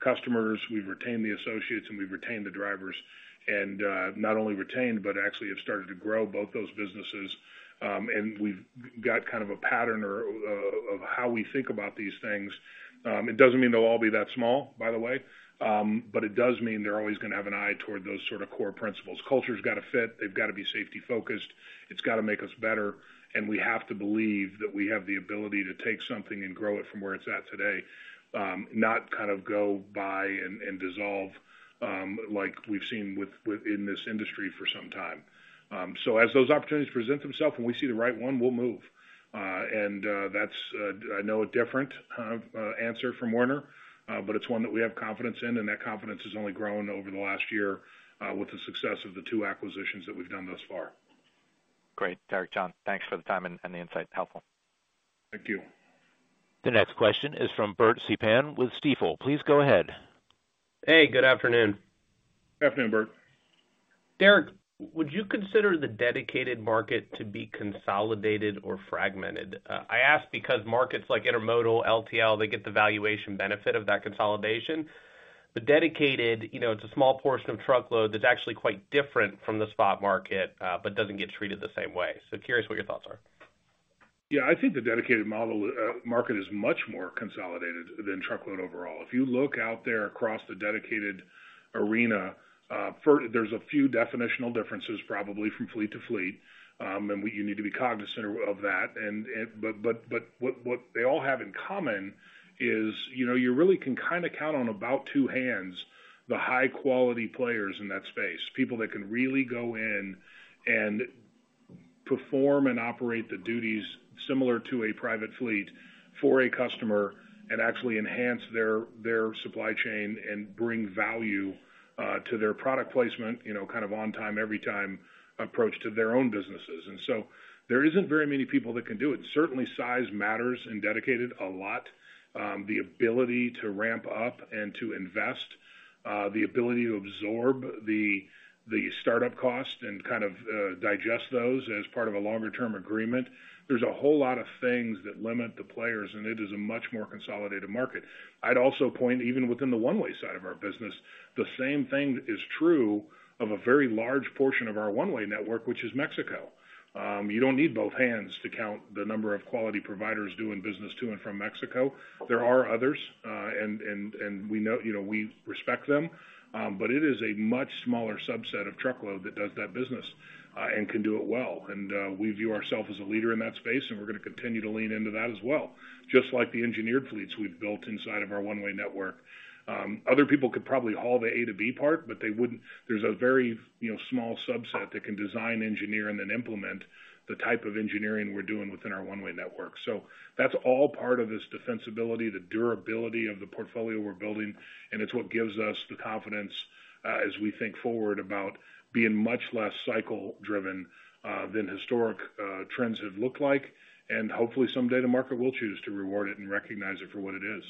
customers, we've retained the associates, and we've retained the drivers. Not only retained, but actually have started to grow both those businesses. We've got kind of a pattern of how we think about these things. It doesn't mean they'll all be that small, by the way, but it does mean they're always gonna have an eye toward those sort of core principles. Culture's got to fit, they've got to be safety-focused, it's got to make us better, and we have to believe that we have the ability to take something and grow it from where it's at today. Not kind of go buy and dissolve, like we've seen within this industry for some time. As those opportunities present themselves, when we see the right one, we'll move. That's no different an answer from Werner, but it's one that we have confidence in, and that confidence has only grown over the last year with the success of the two acquisitions that we've done thus far. Great. Derek, John, thanks for the time and the insight. Helpful. Thank you. The next question is from Bert Subin with Stifel. Please go ahead. Hey, good afternoon. Afternoon, Bert Subin. Derek, would you consider the dedicated market to be consolidated or fragmented? I ask because markets like intermodal LTL, they get the valuation benefit of that consolidation. The dedicated, you know, it's a small portion of truckload that's actually quite different from the spot market, but doesn't get treated the same way. Curious what your thoughts are. Yeah. I think the dedicated model market is much more consolidated than truckload overall. If you look out there across the dedicated arena, there's a few definitional differences probably from fleet to fleet, and you need to be cognizant of that. But what they all have in common is, you know, you really can kinda count on about two hands the high quality players in that space, people that can really go in and perform and operate the duties similar to a private fleet for a customer and actually enhance their supply chain and bring value to their product placement, you know, kind of on time, every time approach to their own businesses. There isn't very many people that can do it. Certainly, size matters in dedicated a lot. The ability to ramp up and to invest, the ability to absorb the startup cost and kind of digest those as part of a longer term agreement. There's a whole lot of things that limit the players, and it is a much more consolidated market. I'd also point, even within the one-way side of our business, the same thing is true of a very large portion of our one-way network, which is Mexico. You don't need both hands to count the number of quality providers doing business to and from Mexico. There are others, and we know. You know, we respect them. But it is a much smaller subset of truckload that does that business, and can do it well. We view ourself as a leader in that space, and we're gonna continue to lean into that as well, just like the engineered fleets we've built inside of our one-way network. Other people could probably haul the A to B part, but they wouldn't. There's a very, you know, small subset that can design, engineer, and then implement the type of engineering we're doing within our one-way network. That's all part of this defensibility, the durability of the portfolio we're building, and it's what gives us the confidence as we think forward about being much less cycle driven than historic trends have looked like. Hopefully someday the market will choose to reward it and recognize it for what it is.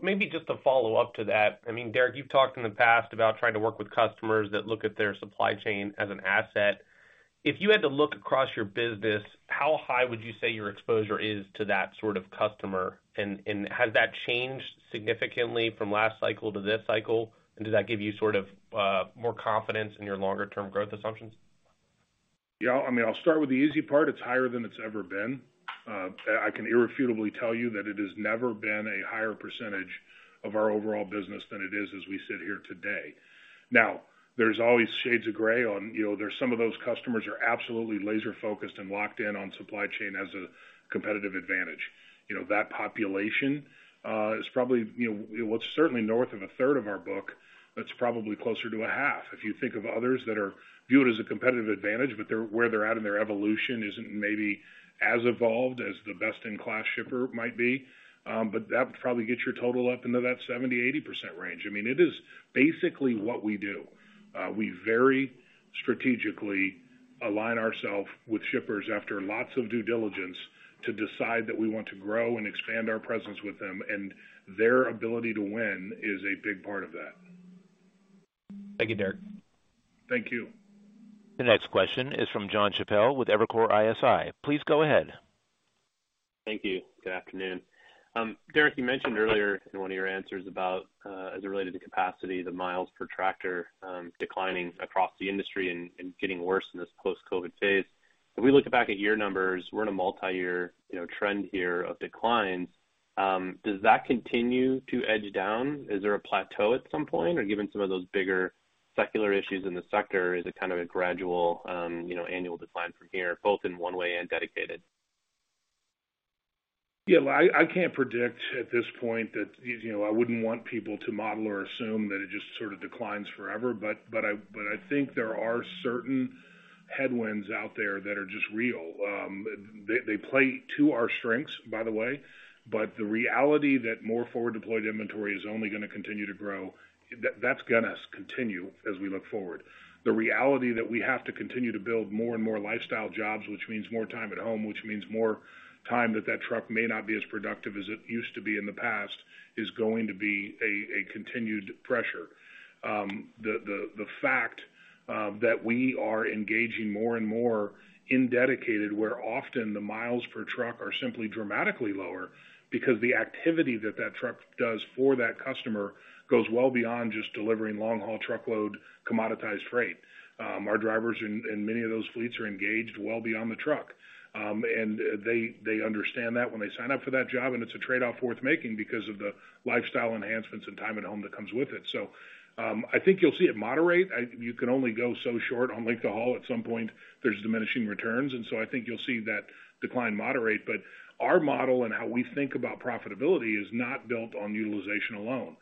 Maybe just a follow-up to that. I mean, Derek, you've talked in the past about trying to work with customers that look at their supply chain as an asset. If you had to look across your business, how high would you say your exposure is to that sort of customer? And has that changed significantly from last cycle to this cycle? And does that give you sort of more confidence in your longer term growth assumptions? Yeah. I mean, I'll start with the easy part. It's higher than it's ever been. I can irrefutably tell you that it has never been a higher percentage of our overall business than it is as we sit here today. Now, there's always shades of gray on. You know, there's some of those customers are absolutely laser-focused and locked in on supply chain as a competitive advantage. You know, that population is probably, you know, well, it's certainly north of a third of our book. That's probably closer to a half. If you think of others that are viewed as a competitive advantage, but they're where they're at in their evolution isn't maybe as evolved as the best in class shipper might be. But that would probably get your total up into that 70%-80% range. I mean, it is basically what we do. We very strategically align ourselves with shippers after lots of due diligence to decide that we want to grow and expand our presence with them, and their ability to win is a big part of that. Thank you, Derek. Thank you. The next question is from Jonathan Chappell with Evercore ISI. Please go ahead. Thank you. Good afternoon. Derek, you mentioned earlier in one of your answers about, as it related to capacity, the miles per tractor, declining across the industry and getting worse in this post-COVID phase. If we look back at year numbers, we're in a multi-year, you know, trend here of declines. Does that continue to edge down? Is there a plateau at some point? Or given some of those bigger secular issues in the sector, is it kind of a gradual, you know, annual decline from here, both in one way and dedicated? Yeah. Well, I can't predict at this point that, you know, I wouldn't want people to model or assume that it just sort of declines forever. I think there are certain headwinds out there that are just real. They play to our strengths, by the way, but the reality that more forward deployed inventory is only gonna continue to grow, that's gonna continue as we look forward. The reality that we have to continue to build more and more lifestyle jobs, which means more time at home, which means more time that truck may not be as productive as it used to be in the past, is going to be a continued pressure. The fact that we are engaging more and more in dedicated, where often the miles per truck are simply dramatically lower because the activity that truck does for that customer goes well beyond just delivering long-haul truckload commoditized freight. Our drivers and many of those fleets are engaged well beyond the truck. They understand that when they sign up for that job, and it's a trade-off worth making because of the lifestyle enhancements and time at home that comes with it. I think you'll see it moderate. You can only go so short on length of haul. At some point, there's diminishing returns. I think you'll see that decline moderate. Our model and how we think about profitability is not built on utilization alone.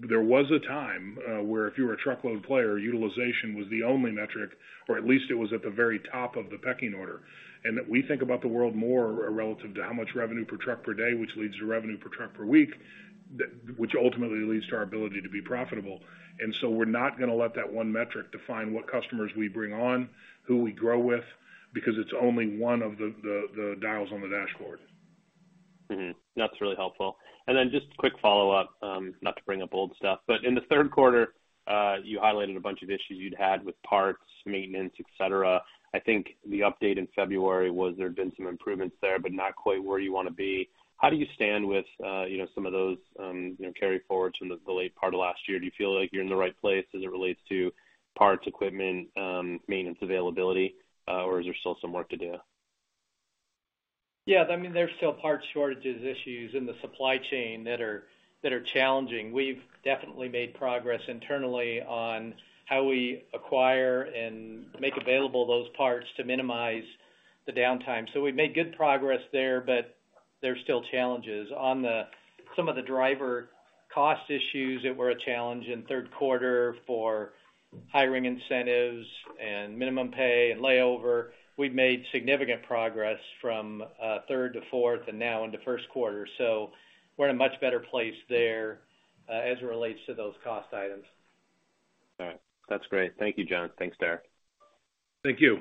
There was a time where if you were a truckload player, utilization was the only metric, or at least it was at the very top of the pecking order. That we think about the world more relative to how much revenue per truck per day, which leads to revenue per truck per week, which ultimately leads to our ability to be profitable. We're not gonna let that one metric define what customers we bring on, who we grow with, because it's only one of the dials on the dashboard. That's really helpful. Just a quick follow-up, not to bring up old stuff, but in the third quarter, you highlighted a bunch of issues you'd had with parts, maintenance, et cetera. I think the update in February was there had been some improvements there, but not quite where you wanna be. How do you stand with you know some of those you know carry forwards from the late part of last year? Do you feel like you're in the right place as it relates to parts, equipment, maintenance availability, or is there still some work to do? Yeah. I mean, there's still parts shortages issues in the supply chain that are challenging. We've definitely made progress internally on how we acquire and make available those parts to minimize the downtime. We've made good progress there, but there's still challenges. On some of the driver cost issues that were a challenge in third quarter for hiring incentives and minimum pay and layover, we've made significant progress from third to fourth and now into first quarter. We're in a much better place there as it relates to those cost items. All right. That's great. Thank you, John. Thanks, Derek. Thank you.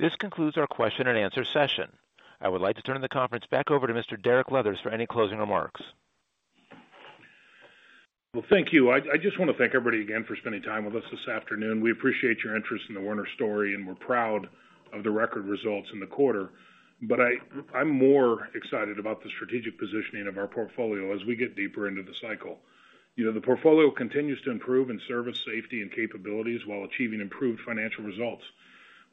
This concludes our question and answer session. I would like to turn the conference back over to Mr. Derek Leathers for any closing remarks. Well, thank you. I just wanna thank everybody again for spending time with us this afternoon. We appreciate your interest in the Werner story, and we're proud of the record results in the quarter. I'm more excited about the strategic positioning of our portfolio as we get deeper into the cycle. You know, the portfolio continues to improve in service, safety, and capabilities while achieving improved financial results.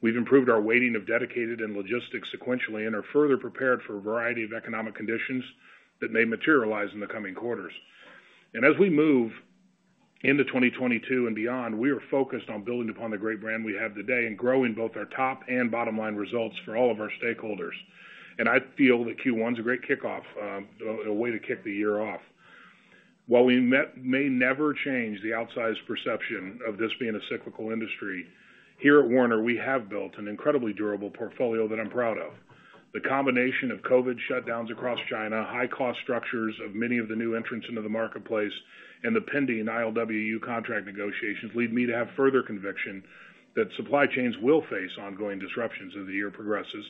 We've improved our weighting of dedicated and logistics sequentially, and are further prepared for a variety of economic conditions that may materialize in the coming quarters. We move into 2022 and beyond, we are focused on building upon the great brand we have today and growing both our top and bottom line results for all of our stakeholders. I feel that Q1 is a great kickoff, a way to kick the year off. While we may never change the outsized perception of this being a cyclical industry, here at Werner, we have built an incredibly durable portfolio that I'm proud of. The combination of COVID shutdowns across China, high cost structures of many of the new entrants into the marketplace, and the pending ILWU contract negotiations lead me to have further conviction that supply chains will face ongoing disruptions as the year progresses,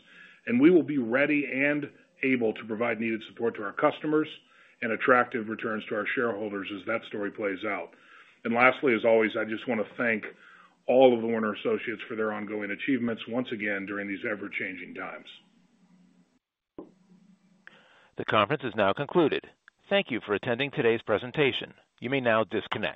and we will be ready and able to provide needed support to our customers and attractive returns to our shareholders as that story plays out. Lastly, as always, I just wanna thank all of the Werner associates for their ongoing achievements once again during these ever-changing times. The conference is now concluded. Thank you for attending today's presentation. You may now disconnect.